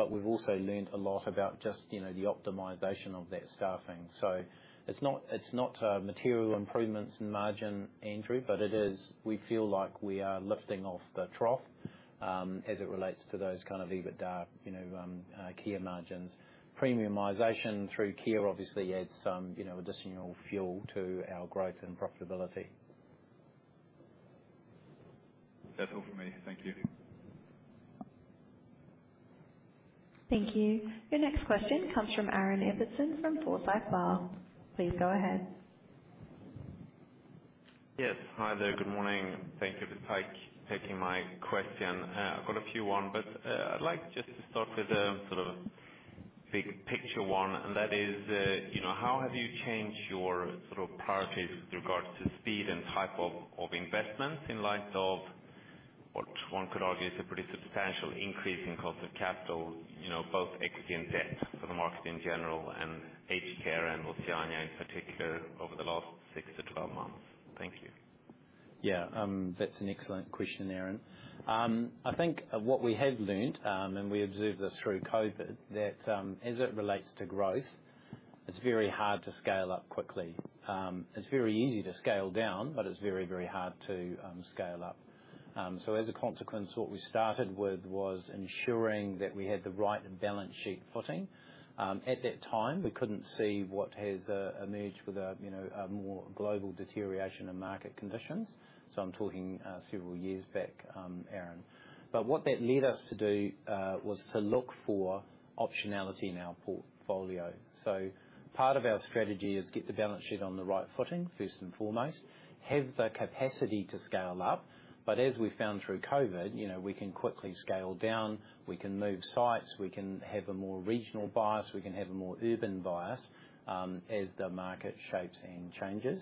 B: we've also learned a lot about just, you know, the optimization of that staffing. It's not material improvements in margin, Andrew, but it is. We feel like we are lifting off the trough as it relates to those kind of EBITDA, you know, care margins. Premiumization through care obviously adds some, you know, additional fuel to our growth and profitability.
D: That's all for me. Thank you.
A: Thank you. Your next question comes from Aaron Ibbotson from Forsyth Barr. Please go ahead.
E: Yes. Hi there. Good morning. Thank you for taking my question. I've got a few one, but, I'd like just to start with a sort of big picture one, and that is, you know, how have you changed your sort of priorities with regards to speed and type of investment in light of what one could argue is a pretty substantial increase in cost of capital, you know, both equity and debt for the market in general and aged care and Oceania in particular over the last six to 12 months? Thank you.
B: Yeah. That's an excellent question, Aaron. I think what we have learned, and we observed this through COVID, that as it relates to growth, it's very hard to scale up quickly. It's very easy to scale down, but it's very hard to scale up. As a consequence, what we started with was ensuring that we had the right balance sheet footing. At that time, we couldn't see what has emerged with a, you know, a more global deterioration in market conditions. I'm talking several years back, Aaron. What that led us to do was to look for optionality in our portfolio. Part of our strategy is get the balance sheet on the right footing, first and foremost, have the capacity to scale up, but as we found through COVID, you know, we can quickly scale down, we can move sites, we can have a more regional bias, we can have a more urban bias, as the market shapes and changes.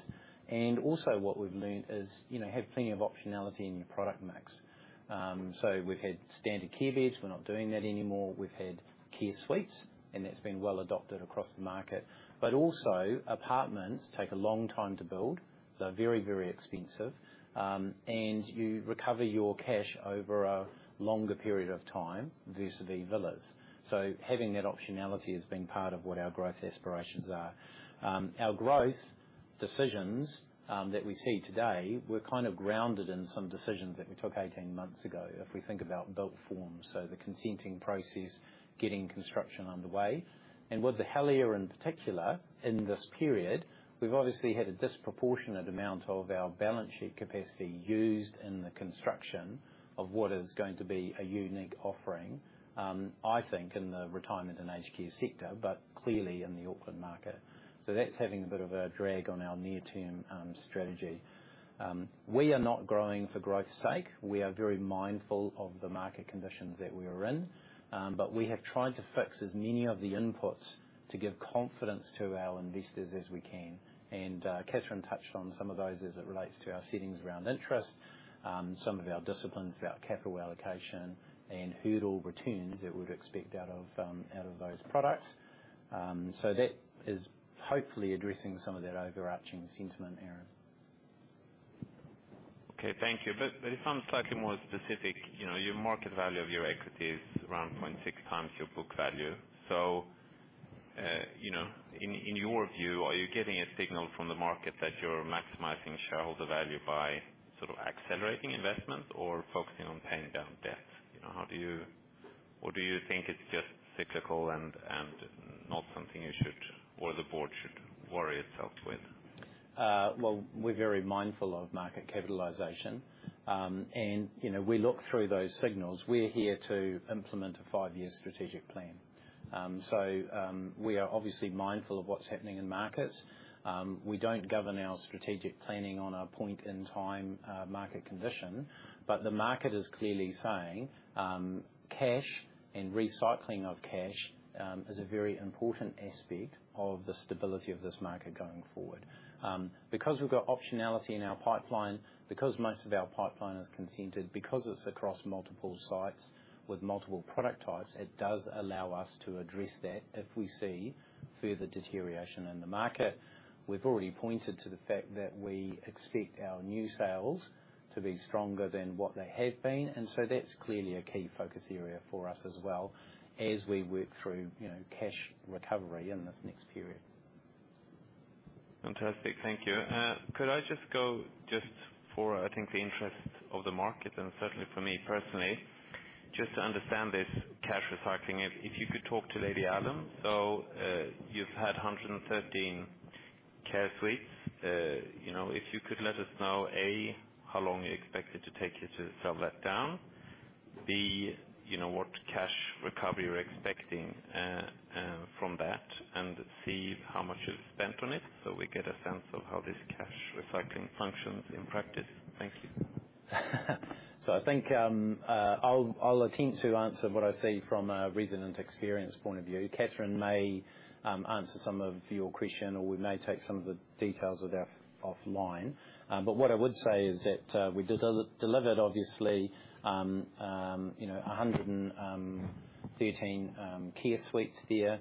B: Also what we've learned is, you know, have plenty of optionality in your product mix. So we've had standard care beds. We're not doing that anymore. We've had CareSuites, and that's been well adopted across the market. Also apartments take a long time to build. They're very, very expensive. And you recover your cash over a longer period of time vis-à-vis villas. Having that optionality has been part of what our growth aspirations are. Our growth decisions that we see today were kind of grounded in some decisions that we took 18 months ago, if we think about built form, so the consenting process, getting construction underway. With The Helier in particular, in this period, we've obviously had a disproportionate amount of our balance sheet capacity used in the construction of what is going to be a unique offering, I think in the retirement and aged care sector, but clearly in the Auckland market. That's having a bit of a drag on our near-term strategy. We are not growing for growth's sake. We are very mindful of the market conditions that we are in, but we have tried to fix as many of the inputs to give confidence to our investors as we can. Kathryn touched on some of those as it relates to our settings around interest, some of our disciplines about capital allocation and hurdle returns that we'd expect out of those products. That is hopefully addressing some of that overarching sentiment, Aaron.
E: Okay. Thank you. If I'm slightly more specific, you know, your market value of your equity is around 0.6x your book value. You know, in your view, are you getting a signal from the market that you're maximizing shareholder value by sort of accelerating investment or focusing on paying down debt? You know, how do you? Do you think it's just cyclical and not something you should, or the board should worry itself with?
B: Well, we're very mindful of market capitalization. You know, we look through those signals. We're here to implement a five-year strategic plan. We are obviously mindful of what's happening in markets. We don't govern our strategic planning on a point in time, market condition. The market is clearly saying, cash and recycling of cash, is a very important aspect of the stability of this market going forward. Because we've got optionality in our pipeline, because most of our pipeline is consented, because it's across multiple sites with multiple product types, it does allow us to address that if we see further deterioration in the market. We've already pointed to the fact that we expect our new sales to be stronger than what they have been, and so that's clearly a key focus area for us as well as we work through, you know, cash recovery in this next period.
E: Fantastic. Thank you. Could I just go just for, I think the interest of the market, and certainly for me personally, just to understand this cash recycling, if you could talk to Lady Allum. You've had 113 CareSuites. You know, if you could let us know, A, how long you expect it to take you to sell that down. B, you know, what cash recovery you're expecting from that. C, how much you've spent on it, so we get a sense of how this cash recycling functions in practice. Thank you.
B: I'll attempt to answer what I see from a resident experience point of view. Kathryn may answer some of your question, or we may take some of the details of that offline. What I would say is that we delivered obviously, you know, 113 CareSuites there.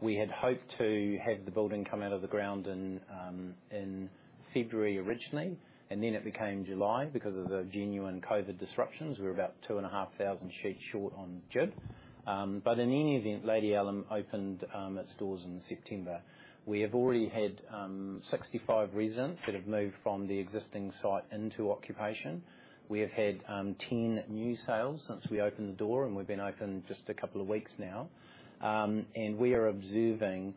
B: We had hoped to have the building come out of the ground in February originally, it became July because of the genuine COVID disruptions. We're about 2,500 sheets short on GIB. In any event, Lady Allum opened its doors in September. We have already had 65 residents that have moved from the existing site into occupation. We have had 10 new sales since we opened the door, and we've been open just a couple of weeks now. We are observing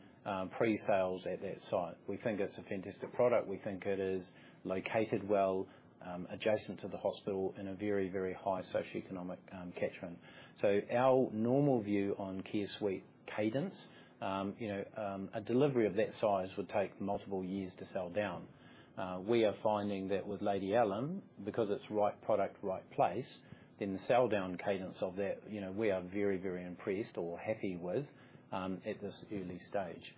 B: pre-sales at that site. We think it's a fantastic product. We think it is located well, adjacent to the hospital in a very, very high socioeconomic catchment. Our normal view on CareSuite cadence, you know, a delivery of that size would take multiple years to sell down. We are finding that with Lady Allum, because it's right product, right place, in the sell down cadence of that, you know, we are very, very impressed or happy with at this early stage.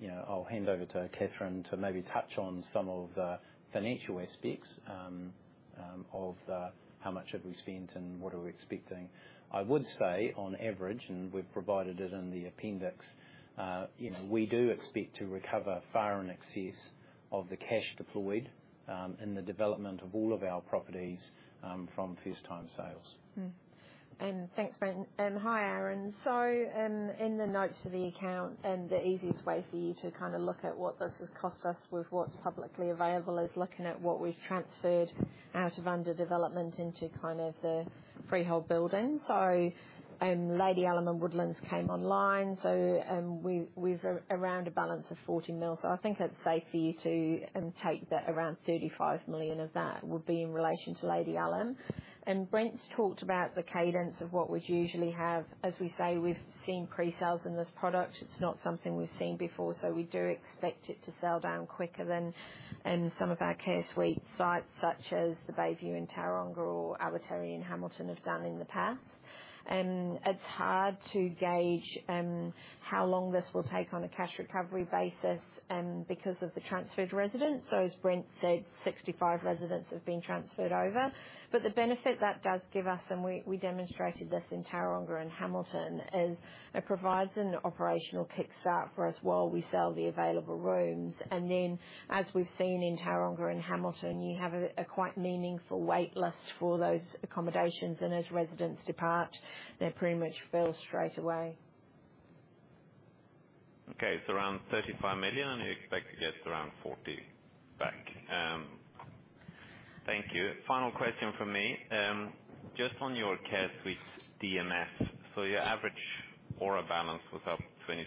B: You know, I'll hand over to Kathryn to maybe touch on some of the financial aspects of how much have we spent and what are we expecting. I would say on average, and we've provided it in the appendix, you know, we do expect to recover far in excess of the cash deployed, in the development of all of our properties, from first time sales.
C: Thanks, Brent. Hi, Aaron. In the notes to the account, and the easiest way for you to kind of look at what this has cost us with what's publicly available, is looking at what we've transferred out of under development into kind of the freehold building. Lady Allum and Woodlands came online. We've around a balance of 40 million. I think it's safe for you to take that around 35 million of that would be in relation to Lady Allum. Brent's talked about the cadence of what we'd usually have. As we say, we've seen pre-sales in this product. It's not something we've seen before, so we do expect it to sell down quicker than some of our CareSuite sites, such as The Bay View in Tauranga or Awatere in Hamilton have done in the past. It's hard to gauge how long this will take on a cash recovery basis because of the transferred residents. As Brent said, 65 residents have been transferred over. The benefit that does give us, and we demonstrated this in Tauranga and Hamilton, is it provides an operational kickstart for us while we sell the available rooms. Then, as we've seen in Tauranga and Hamilton, you have a quite meaningful wait list for those accommodations. As residents depart, they're pretty much filled straight away.
E: Okay. It's around 35 million, and you expect to get around 40 back. Thank you. Final question from me. Just on your CareSuite DMF. Your average ORR balance was up 22%,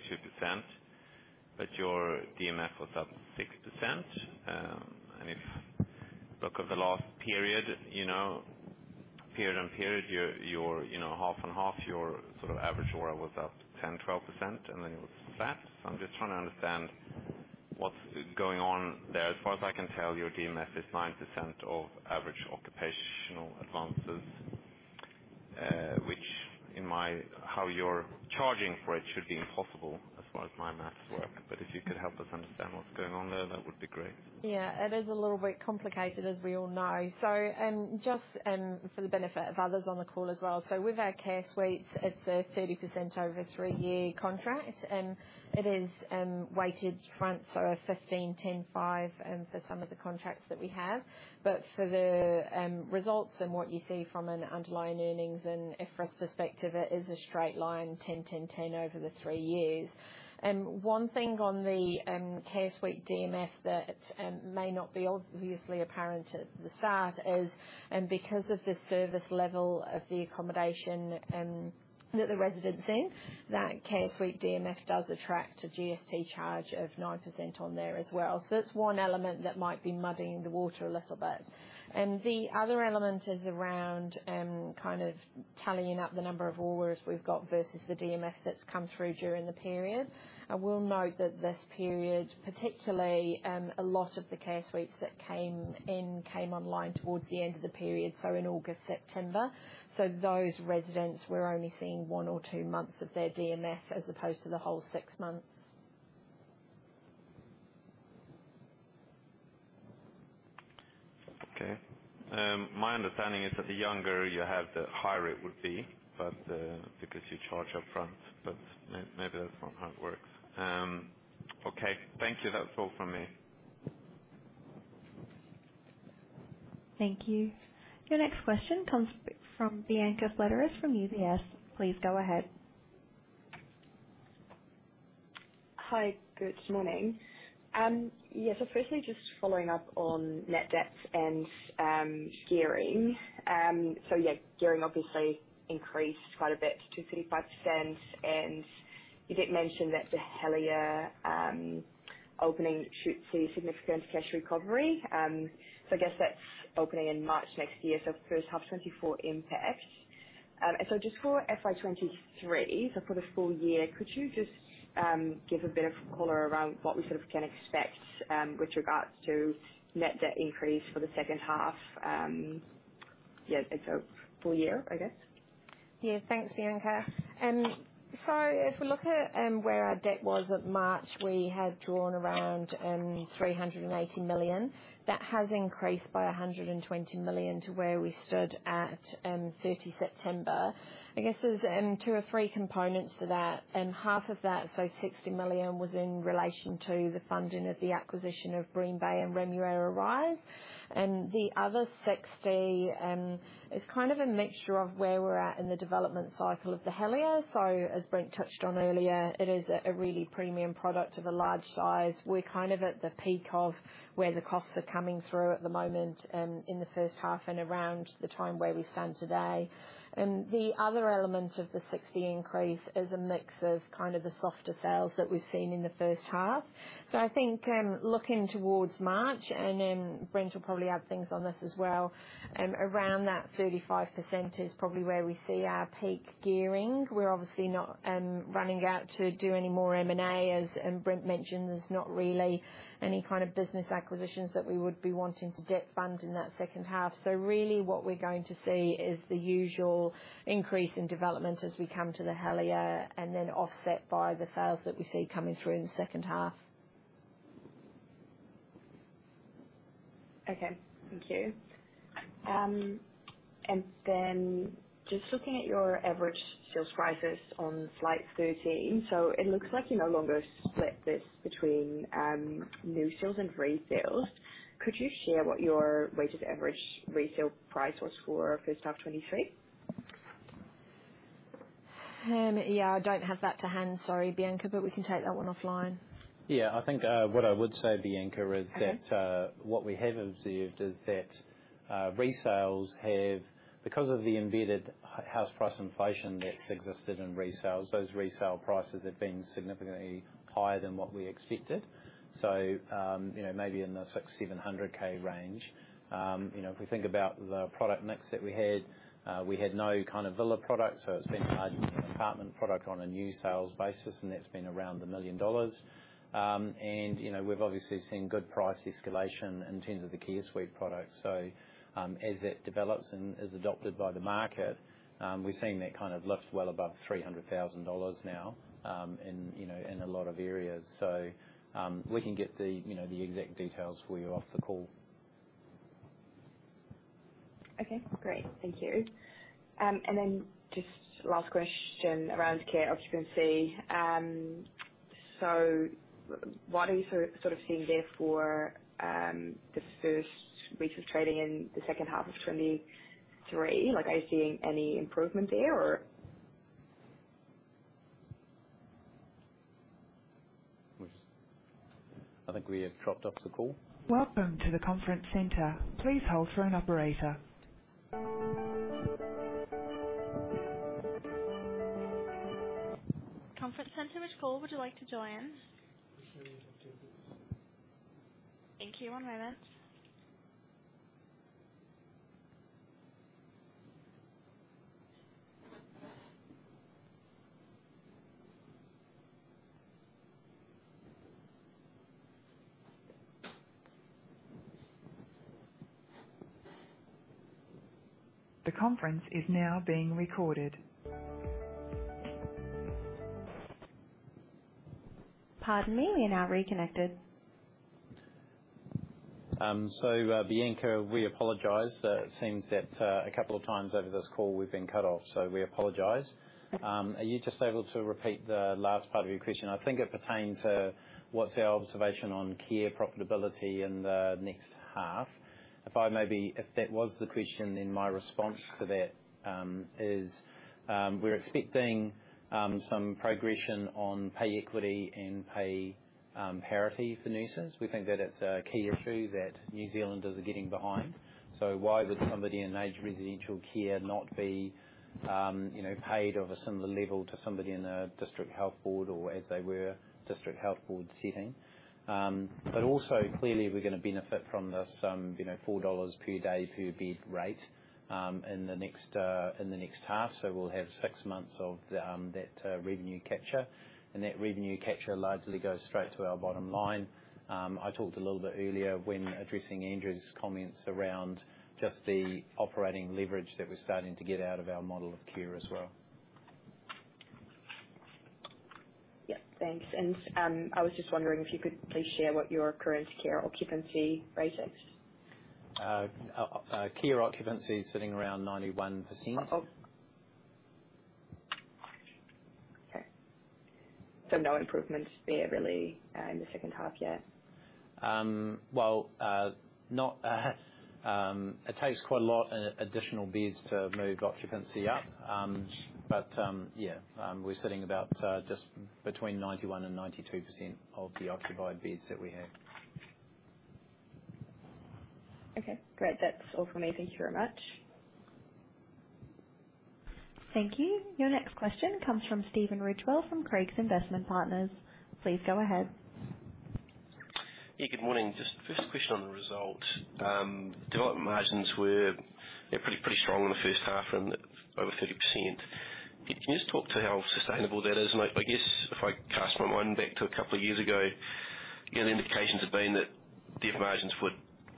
E: but your DMF was up 6%. And if look at the last period, you know, period on period, your, you know, half on half, your sort of average ORR was up 10%-12%, and then it was flat. I'm just trying to understand what's going on there. As far as I can tell, your DMF is 9% of average occupational advances, which in my How you're charging for it should be impossible as far as my math work. If you could help us understand what's going on there, that would be great.
C: Yeah, it is a little bit complicated, as we all know. Just for the benefit of others on the call as well. With our CareSuites, it's a 30% over three-year contract. It is weighted front, so a 15, 10, five for some of the contracts that we have. For the results and what you see from an underlying earnings and IFRS perspective, it is a straight line, 10, 10 over the three years. One thing on the CareSuite DMF that may not be obviously apparent at the start is because of the service level of the accommodation that the resident's in, that CareSuite DMF does attract a GST charge of 9% on there as well. That's one element that might be muddying the water a little bit. The other element is around kind of tallying up the number of ORRs we've got versus the DMF that's come through during the period. I will note that this period, particularly, a lot of the CareSuites that came in, came online towards the end of the period, so in August, September. Those residents were only seeing one or two months of their DMF as opposed to the whole six months.
E: Okay. My understanding is that the younger you have, the higher it would be, but because you charge up front. Maybe that's not how it works. Okay. Thank you. That's all from me.
A: Thank you. Your next question comes from Bianca Fledderus from UBS. Please go ahead.
F: Hi, good morning. Firstly, just following up on net debt and gearing. Gearing obviously increased quite a bit to 235%. You did mention that The Helier opening should see significant cash recovery. I guess that's opening in March 2024, so first half 2024 impact. Just for FY 2023, for the full year, could you just give a bit of color around what we sort of can expect with regards to net debt increase for the second half, full year, I guess.
C: Yeah. Thanks, Bianca. If we look at where our debt was at March, we had drawn around 380 million. That has increased by 120 million to where we stood at 30 September. I guess there's two or three components to that. Half of that, so 60 million, was in relation to the funding of the acquisition of Green Bay and Remuera Rise. The other 60 is kind of a mixture of where we're at in the development cycle of The Helier. As Brent touched on earlier, it is a really premium product of a large size. We're kind of at the peak of where the costs are coming through at the moment, in the first half and around the time where we stand today. The other element of the 60 increase is a mix of kind of the softer sales that we've seen in the first half. I think, looking towards March, and Brent will probably add things on this as well. Around that 35% is probably where we see our peak gearing. We're obviously not running out to do any more M&A, as Brent mentioned, there's not really any kind of business acquisitions that we would be wanting to debt fund in that second half. Really what we're going to see is the usual increase in development as we come to The Helier and then offset by the sales that we see coming through in the second half.
F: Okay. Thank you. Then just looking at your average sales prices on slide 13. It looks like you no longer split this between new sales and resales. Could you share what your weighted average resale price was for first half 2023?
C: Yeah, I don't have that to hand, sorry, Bianca. We can take that one offline.
B: Yeah. I think, what I would say, Bianca.
F: Okay.
B: That what we have observed is that resales because of the embedded house price inflation that's existed in resales, those resale prices have been significantly higher than what we expected. You know, maybe in the 600,000-700,000 range. You know, if we think about the product mix that we had, we had no kind of villa products, so it's been a large apartment product on a new sales basis, and that's been around $1 million. You know, we've obviously seen good price escalation in terms of the CareSuite product. As that develops and is adopted by the market, we're seeing that kind of lift well above $300,000 now, in, you know, in a lot of areas. We can get the, you know, the exact details for you off the call.
F: Okay, great. Thank you. Just last question around care occupancy. What are you sort of seeing there for the first weeks of trading in the second half of 2023? Like, are you seeing any improvement there or?
B: I think we have dropped off the call.
A: Pardon me. We are now reconnected.
B: Bianca, we apologize. It seems that, a couple of times over this call we've been cut off, so we apologize.
F: Okay.
B: Are you just able to repeat the last part of your question? I think it pertained to what's our observation on care profitability in the next half. If that was the question, then my response to that is we're expecting some progression on pay equity and pay parity for nurses. We think that it's a key issue that New Zealanders are getting behind. Why would somebody in aged residential care not be, you know, paid of a similar level to somebody in a district health board or as they were district health board setting? Also, clearly we're gonna benefit from this, you know, $4 per day per bed rate in the next half. We'll have six months of that revenue capture, and that revenue capture largely goes straight to our bottom line. I talked a little bit earlier when addressing Andrew's comments around just the operating leverage that we're starting to get out of our model of care as well.
F: Yeah. Thanks. I was just wondering if you could please share what your current care occupancy rate is?
B: Our care occupancy is sitting around 91%.
F: Okay. No improvements there really, in the second half yet?
B: Well not, it takes quite a lot additional beds to move occupancy up. Yeah, we're sitting about just between 91% and 92% of the occupied beds that we have.
F: Okay, great. That's all for me. Thank you very much.
A: Thank you. Your next question comes from Stephen Ridgewell from Craigs Investment Partners. Please go ahead.
G: Yeah, good morning. First question on the result. Development margins were, yeah, pretty strong in the first half, over 30%. Can you just talk to how sustainable that is? And I guess if I cast my mind back to a couple of years ago, you know, the indications have been that the margins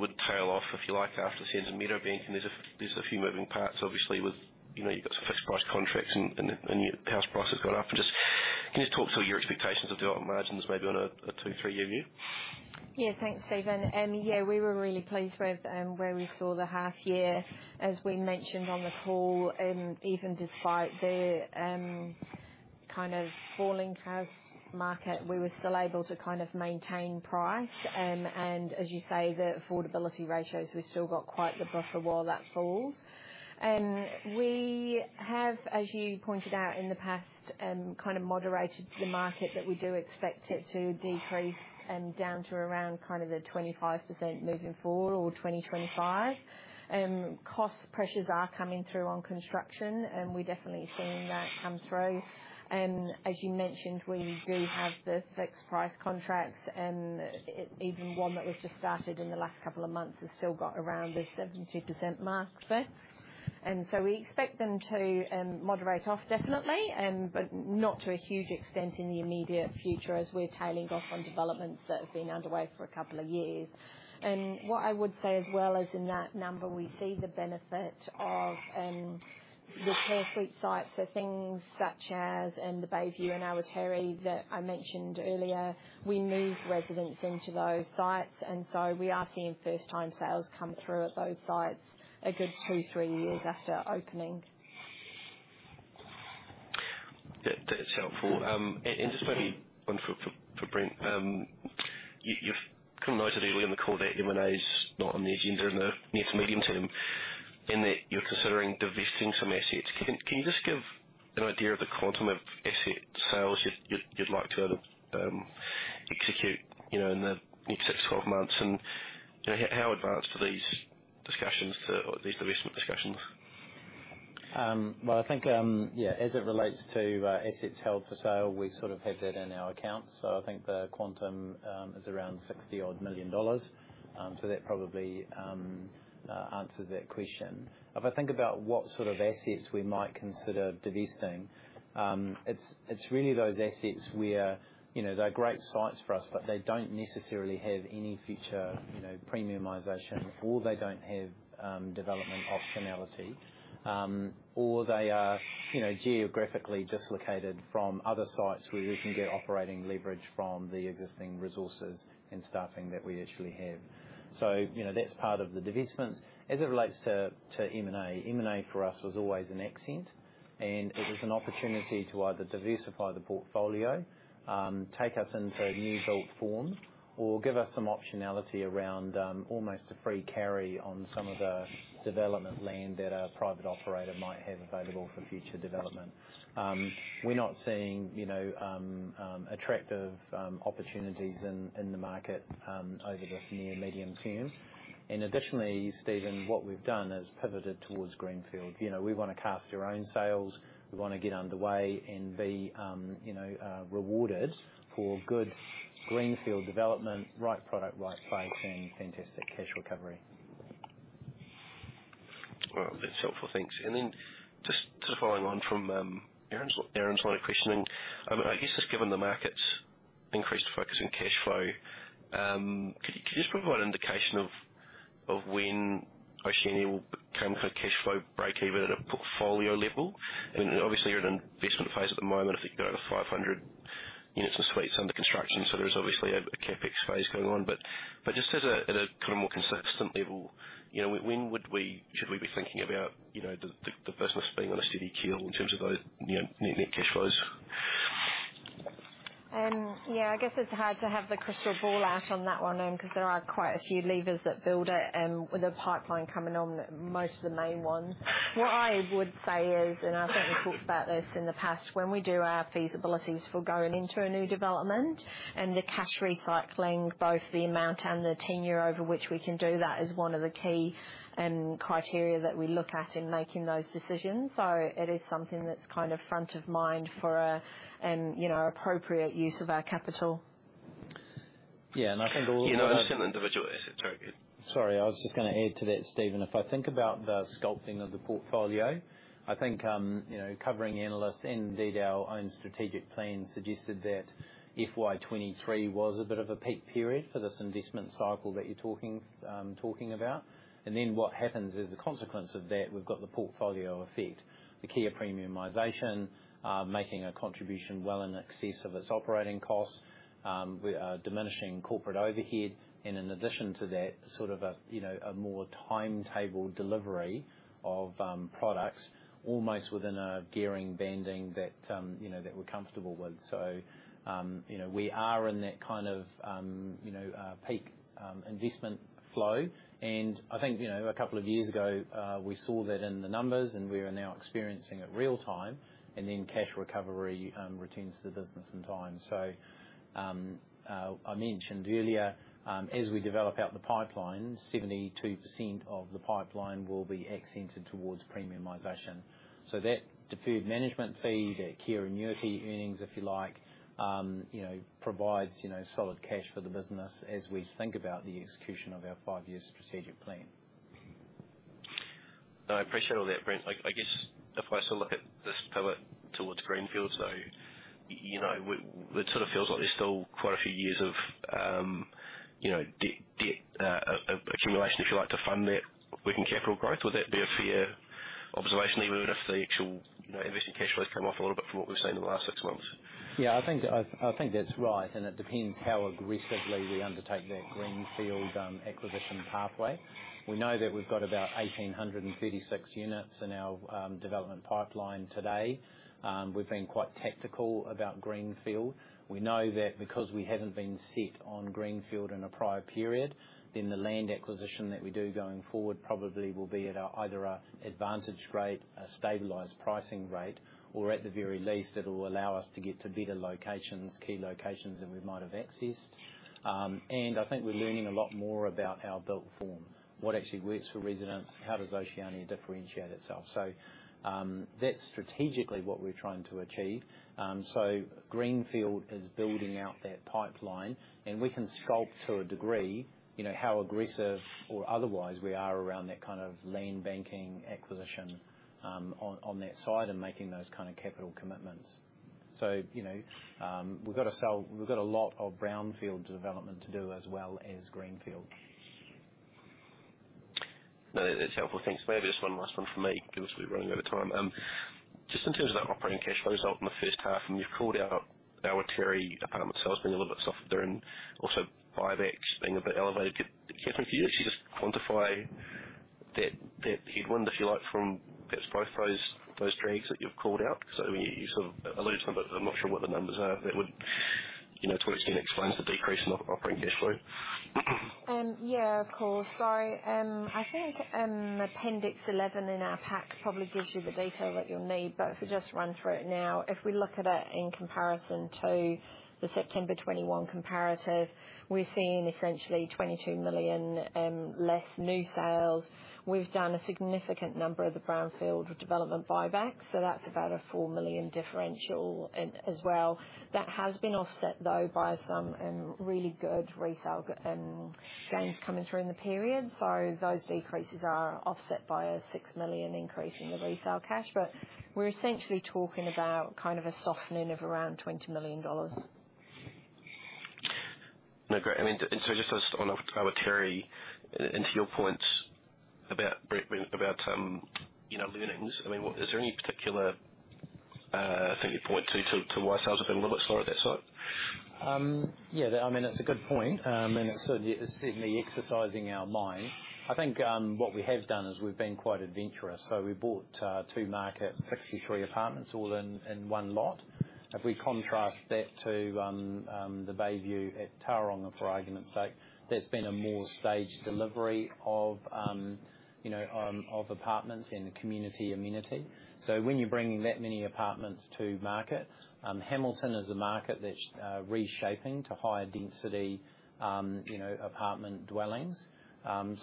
G: would tail off, if you like, after the sales of The Sands. There's a few moving parts, obviously, with, you know, you've got some fixed price contracts and house prices going up. Can you just talk through your expectations of development margins maybe on a two, three-year view?
C: Thanks, Stephen. We were really pleased with where we saw the half year. As we mentioned on the call, even despite the kind of falling house market, we were still able to kind of maintain price. As you say, the affordability ratios, we've still got quite the buffer while that fall. We have, as you pointed out in the past, kind of moderated the market, but we do expect it to decrease down to around kind of the 25% moving forward or 20-25. Cost pressures are coming through on construction, and we're definitely seeing that come through. As you mentioned, we do have the fixed price contracts, and even one that was just started in the last couple of months has still got around the 70% mark. We expect them to moderate off, definitely, but not to a huge extent in the immediate future as we're tailing off on developments that have been underway for two years. What I would say as well is in that number, we see the benefit of the CareSuite sites. Things such as in the Bayview and Awatere that I mentioned earlier, we move residents into those sites. We are seeing first-time sales come through at those sites a good two, three years after opening.
G: That's helpful. And just maybe one for Brent. You've kind of noted earlier in the call that M&A's not on the agenda in the near to medium term and that you're considering divesting some assets. Can you just give an idea of the quantum of asset sales you'd like to execute, you know, in the next six, 12 months? You know, how advanced are these discussions or these divestment discussions?
B: Well, I think, yeah, as it relates to assets held for sale, we sort of have that in our accounts. I think the quantum is around $60 million. That probably answers that question. If I think about what sort of assets we might consider divesting, it's really those assets where, you know, they're great sites for us, but they don't necessarily have any future, you know, premiumization, or they don't have development optionality, or they are, you know, geographically dislocated from other sites where we can get operating leverage from the existing resources and staffing that we actually have. You know, that's part of the divestments. As it relates to M&A, M&A for us was always an accent, and it was an opportunity to either diversify the portfolio, take us into a new build form or give us some optionality around almost a free carry on some of the development land that a private operator might have available for future development. We're not seeing, you know, attractive opportunities in the market over this near, medium term. Additionally, Stephen, what we've done is pivoted towards greenfield. You know, we wanna cast your own sales. We wanna get underway and be, you know, rewarded for good greenfield development, right product, right place, and fantastic cash recovery.
G: Well, that's helpful. Thanks. Just following on from Aaron's line of questioning. I guess just given the market's increased focus on cash flow, could you just provide an indication of when Oceania will become kind of cash flow breakeven at a portfolio level? I mean, obviously you're at an investment phase at the moment. I think you've got over 500 units and suites under construction, so there is obviously a CapEx phase going on. Just as at a kind of more consistent level, you know, when should we be thinking about, you know, the business being on a steady keel in terms of those, you know, net cash flows?
C: Yeah, I guess it's hard to have the crystal ball out on that one, cause there are quite a few levers that build it, with the pipeline coming on, most of the main ones. What I would say is, and I've certainly talked about this in the past, when we do our feasibilities for going into a new development and the cash recycling, both the amount and the tenure over which we can do that is one of the key criteria that we look at in making those decisions. So it is something that's kind of front of mind for an, you know, appropriate use of our capital.
B: Yeah, I think all of us.
G: You know, that's an individual asset. Sorry.
B: Sorry, I was just gonna add to that, Stephen. If I think about the sculpting of the portfolio, I think, you know, covering analysts, indeed our own strategic plan suggested that FY 2023 was a bit of a peak period for this investment cycle that you're talking about. Then what happens as a consequence of that, we've got the portfolio effect. The key of premiumization, making a contribution well in excess of its operating costs. We are diminishing corporate overhead. In addition to that, sort of a, you know, a more timetabled delivery of products almost within a gearing banding that, you know, that we're comfortable with. You know, we are in that kind of, you know, peak investment flow. I think, you know, a couple of years ago, we saw that in the numbers, and we are now experiencing it real-time. Cash recovery returns to the business in time. I mentioned earlier, as we develop out the pipeline, 72% of the pipeline will be accented towards premiumization. That deferred management fee, that care annuity earnings, if you like, you know, provides, you know, solid cash for the business as we think about the execution of our five-year strategic plan.
G: I appreciate all that, Brent. I guess if I sort of look at this pivot towards greenfield, you know, it sort of feels like there's still quite a few years of accumulation, if you like, to fund that working capital growth. Would that be a fair observation even if the actual, you know, investing cash flows come off a little bit from what we've seen in the last six months?
B: Yeah, I think that's right, and it depends how aggressively we undertake that greenfield acquisition pathway. We know that we've got about 1,836 units in our development pipeline today. We've been quite tactical about greenfield. We know that because we haven't been set on greenfield in a prior period, then the land acquisition that we do going forward probably will be at either a advantage rate, a stabilized pricing rate, or at the very least, it'll allow us to get to better locations, key locations than we might have accessed. I think we're learning a lot more about our built form, what actually works for residents, how does Oceania differentiate itself. That's strategically what we're trying to achieve. Greenfield is building out that pipeline, and we can sculpt to a degree, you know, how aggressive or otherwise we are around that kind of land banking acquisition, on that side and making those kinds of capital commitments. You know, we've got a lot of brownfield development to do as well as greenfield.
G: That's helpful. Thanks. Maybe just one last one from me. Obviously, we're running out of time. Just in terms of that operating cash flow result in the first half, you've called out Awatere apartment sales being a little bit softer and also buybacks being a bit elevated. Kathryn, can you actually just quantify that headwind, if you like, from perhaps both those drags that you've called out? So, you sort of alluded to them, but I'm not sure what the numbers are. That would, you know, to what extent explains the decrease in operating cash flow.
C: Yeah, of course. I think Appendix 11 in our pack probably gives you the detail that you'll need, but if we just run through it now, if we look at it in comparison to the September 2021 comparative, we're seeing essentially 22 million less new sales. We've done a significant number of the brownfield development buybacks, so that's about a 4 million differential as well. That has been offset though by some really good resale gains coming through in the period. Those decreases are offset by a 6 million increase in the resale cash. We're essentially talking about kind of a softening of around 20 million dollars.
G: No, great. I mean, so just on Awatere, and to your point about, Brent, about, you know, learnings, I mean, is there any particular thing you'd point to why sales have been a little bit slower at that site?
B: Yeah, I mean, it's a good point. It's certainly exercising our mind. I think, what we have done is we've been quite adventurous. We bought, two market 63 apartments all in one lot. If we contrast that to, the Bay View at Tauranga for argument's sake, there's been a more staged delivery of, you know, of apartments and community amenity. When you're bringing that many apartments to market, Hamilton is a market that's reshaping to higher density, you know, apartment dwellings.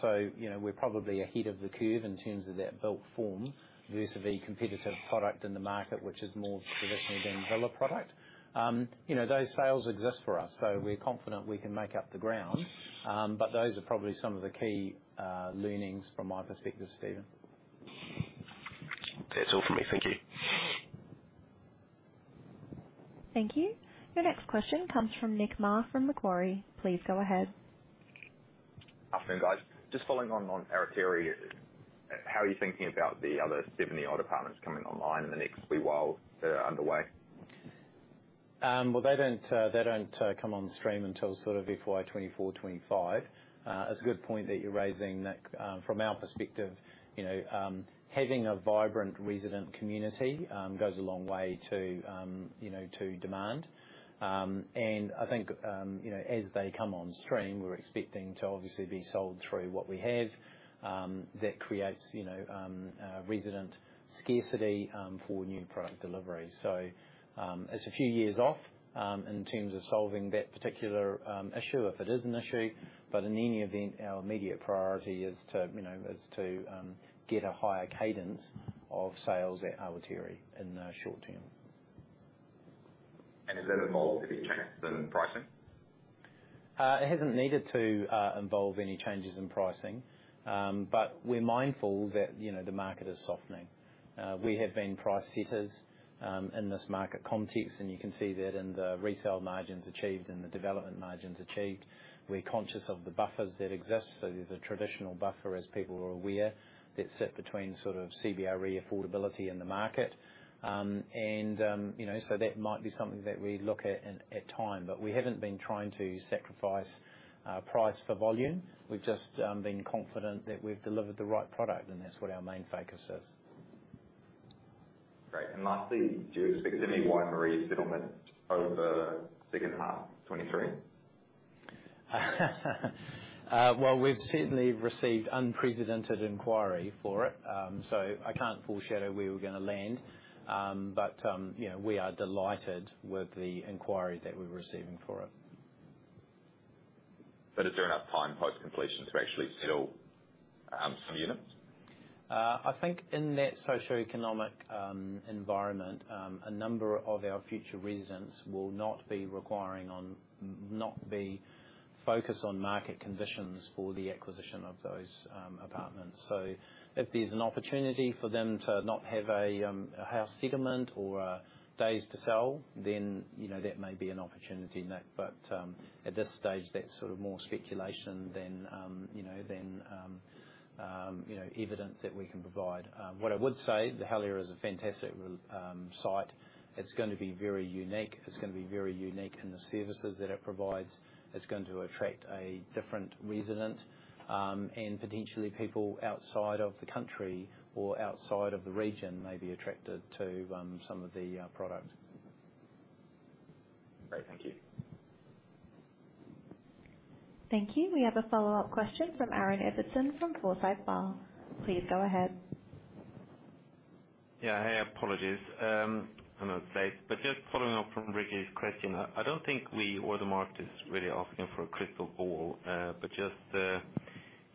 B: You know, we're probably ahead of the curve in terms of that built form versus a competitive product in the market, which is more traditionally being a villa product. You know, those sales exist for us, so we're confident we can make up the ground. Those are probably some of the key learnings from my perspective, Stephen.
G: That's all for me. Thank you.
A: Thank you. Your next question comes from Nick Maher from Macquarie. Please go ahead.
H: Afternoon, guys. Just following on Awatere, how are you thinking about the other 70-odd apartments coming online in the next week while that are underway?
B: Well, they don't come on stream until sort of FY 2024, 2025. It's a good point that you're raising, Nick. From our perspective, you know, having a vibrant resident community goes a long way to, you know, to demand. I think, you know, as they come on stream, we're expecting to obviously be sold through what we have. That creates, you know, a resident scarcity for new product delivery. It's a few years off in terms of solving that particular issue, if it is an issue. In any event, our immediate priority is to, you know, get a higher cadence of sales at Awatere in the short term.
H: Has that involved any changes in pricing?
B: It hasn't needed to involve any changes in pricing. We're mindful that, you know, the market is softening. We have been price setters in this market context, and you can see that in the resale margins achieved and the development margins achieved. We're conscious of the buffers that exist. There's a traditional buffer, as people are aware, that sit between sort of CBRE affordability in the market. You know, that might be something that we look at time. We haven't been trying to sacrifice price for volume. We've just been confident that we've delivered the right product, and that's what our main focus is.
H: Great. Lastly, do you expect any Waimarie settlement over the second half 2023?
B: Well, we've certainly received unprecedented inquiry for it. I can't foreshadow where we're gonna land. You know, we are delighted with the inquiry that we're receiving for it.
H: Is there enough time post-completion to actually sell some units?
B: I think in that socioeconomic environment, a number of our future residents will not be focused on market conditions for the acquisition of those apartments. If there's an opportunity for them to not have a house segment or days to sell, then, you know, that may be an opportunity, Nick. At this stage, that's sort of more speculation than, you know, than, you know, evidence that we can provide. What I would say, The Helier is a fantastic site. It's going to be very unique. It's going to be very unique in the services that it provides. It's going to attract a different resident, and potentially people outside of the country or outside of the region may be attracted to some of the product.
H: Great. Thank you.
A: Thank you. We have a follow-up question from Aaron Ibbotson from Forsyth Barr. Please go ahead.
E: Yeah, hey. Apologies, I'm not safe. Just following up from Nicky's question, I don't think we or the market is really asking for a crystal ball, but just a,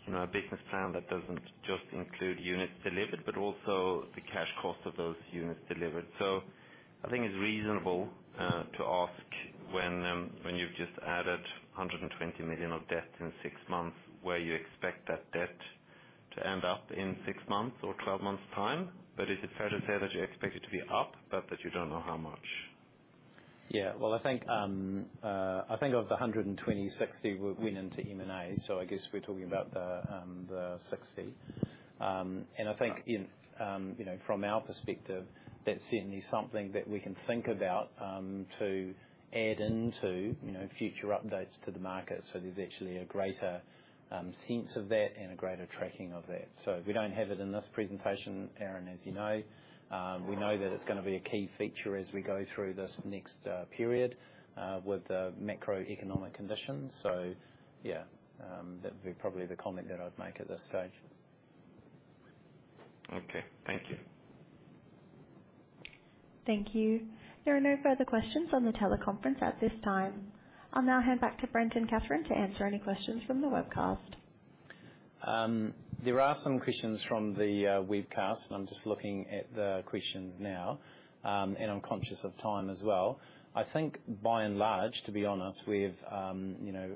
E: you know, a business plan that doesn't just include units delivered, but also the cash cost of those units delivered. I think it's reasonable to ask when you've just added 120 million of debt in six months, where you expect that debt to end up in six months or 12 month's time. Is it fair to say that you expect it to be up, but that you don't know how much?
B: Yeah. Well, I think of the 120, 60 would went into M&A. I guess we're talking about the 60. I think in you know, from our perspective, that's certainly something that we can think about, to add into, you know, future updates to the market. There's actually a greater sense of that and a greater tracking of that. We don't have it in this presentation, Aaron, as you know. We know that it's gonna be a key feature as we go through this next period with the macroeconomic conditions. Yeah, that'd be probably the comment that I'd make at this stage.
E: Okay, thank you.
A: Thank you. There are no further questions on the teleconference at this time. I'll now hand back to Brent and Kathryn to answer any questions from the webcast.
B: There are some questions from the webcast, and I'm just looking at the questions now. I'm conscious of time as well. I think by and large, to be honest, we've, you know,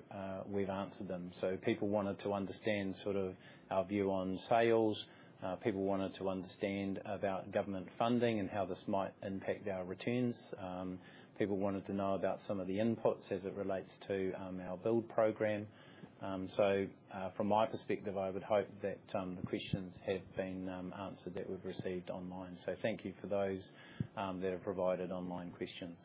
B: we've answered them. People wanted to understand sort of our view on sales. People wanted to understand about government funding and how this might impact our returns. People wanted to know about some of the inputs as it relates to our build program. From my perspective, I would hope that the questions have been answered that we've received online. Thank you for those that have provided online questions.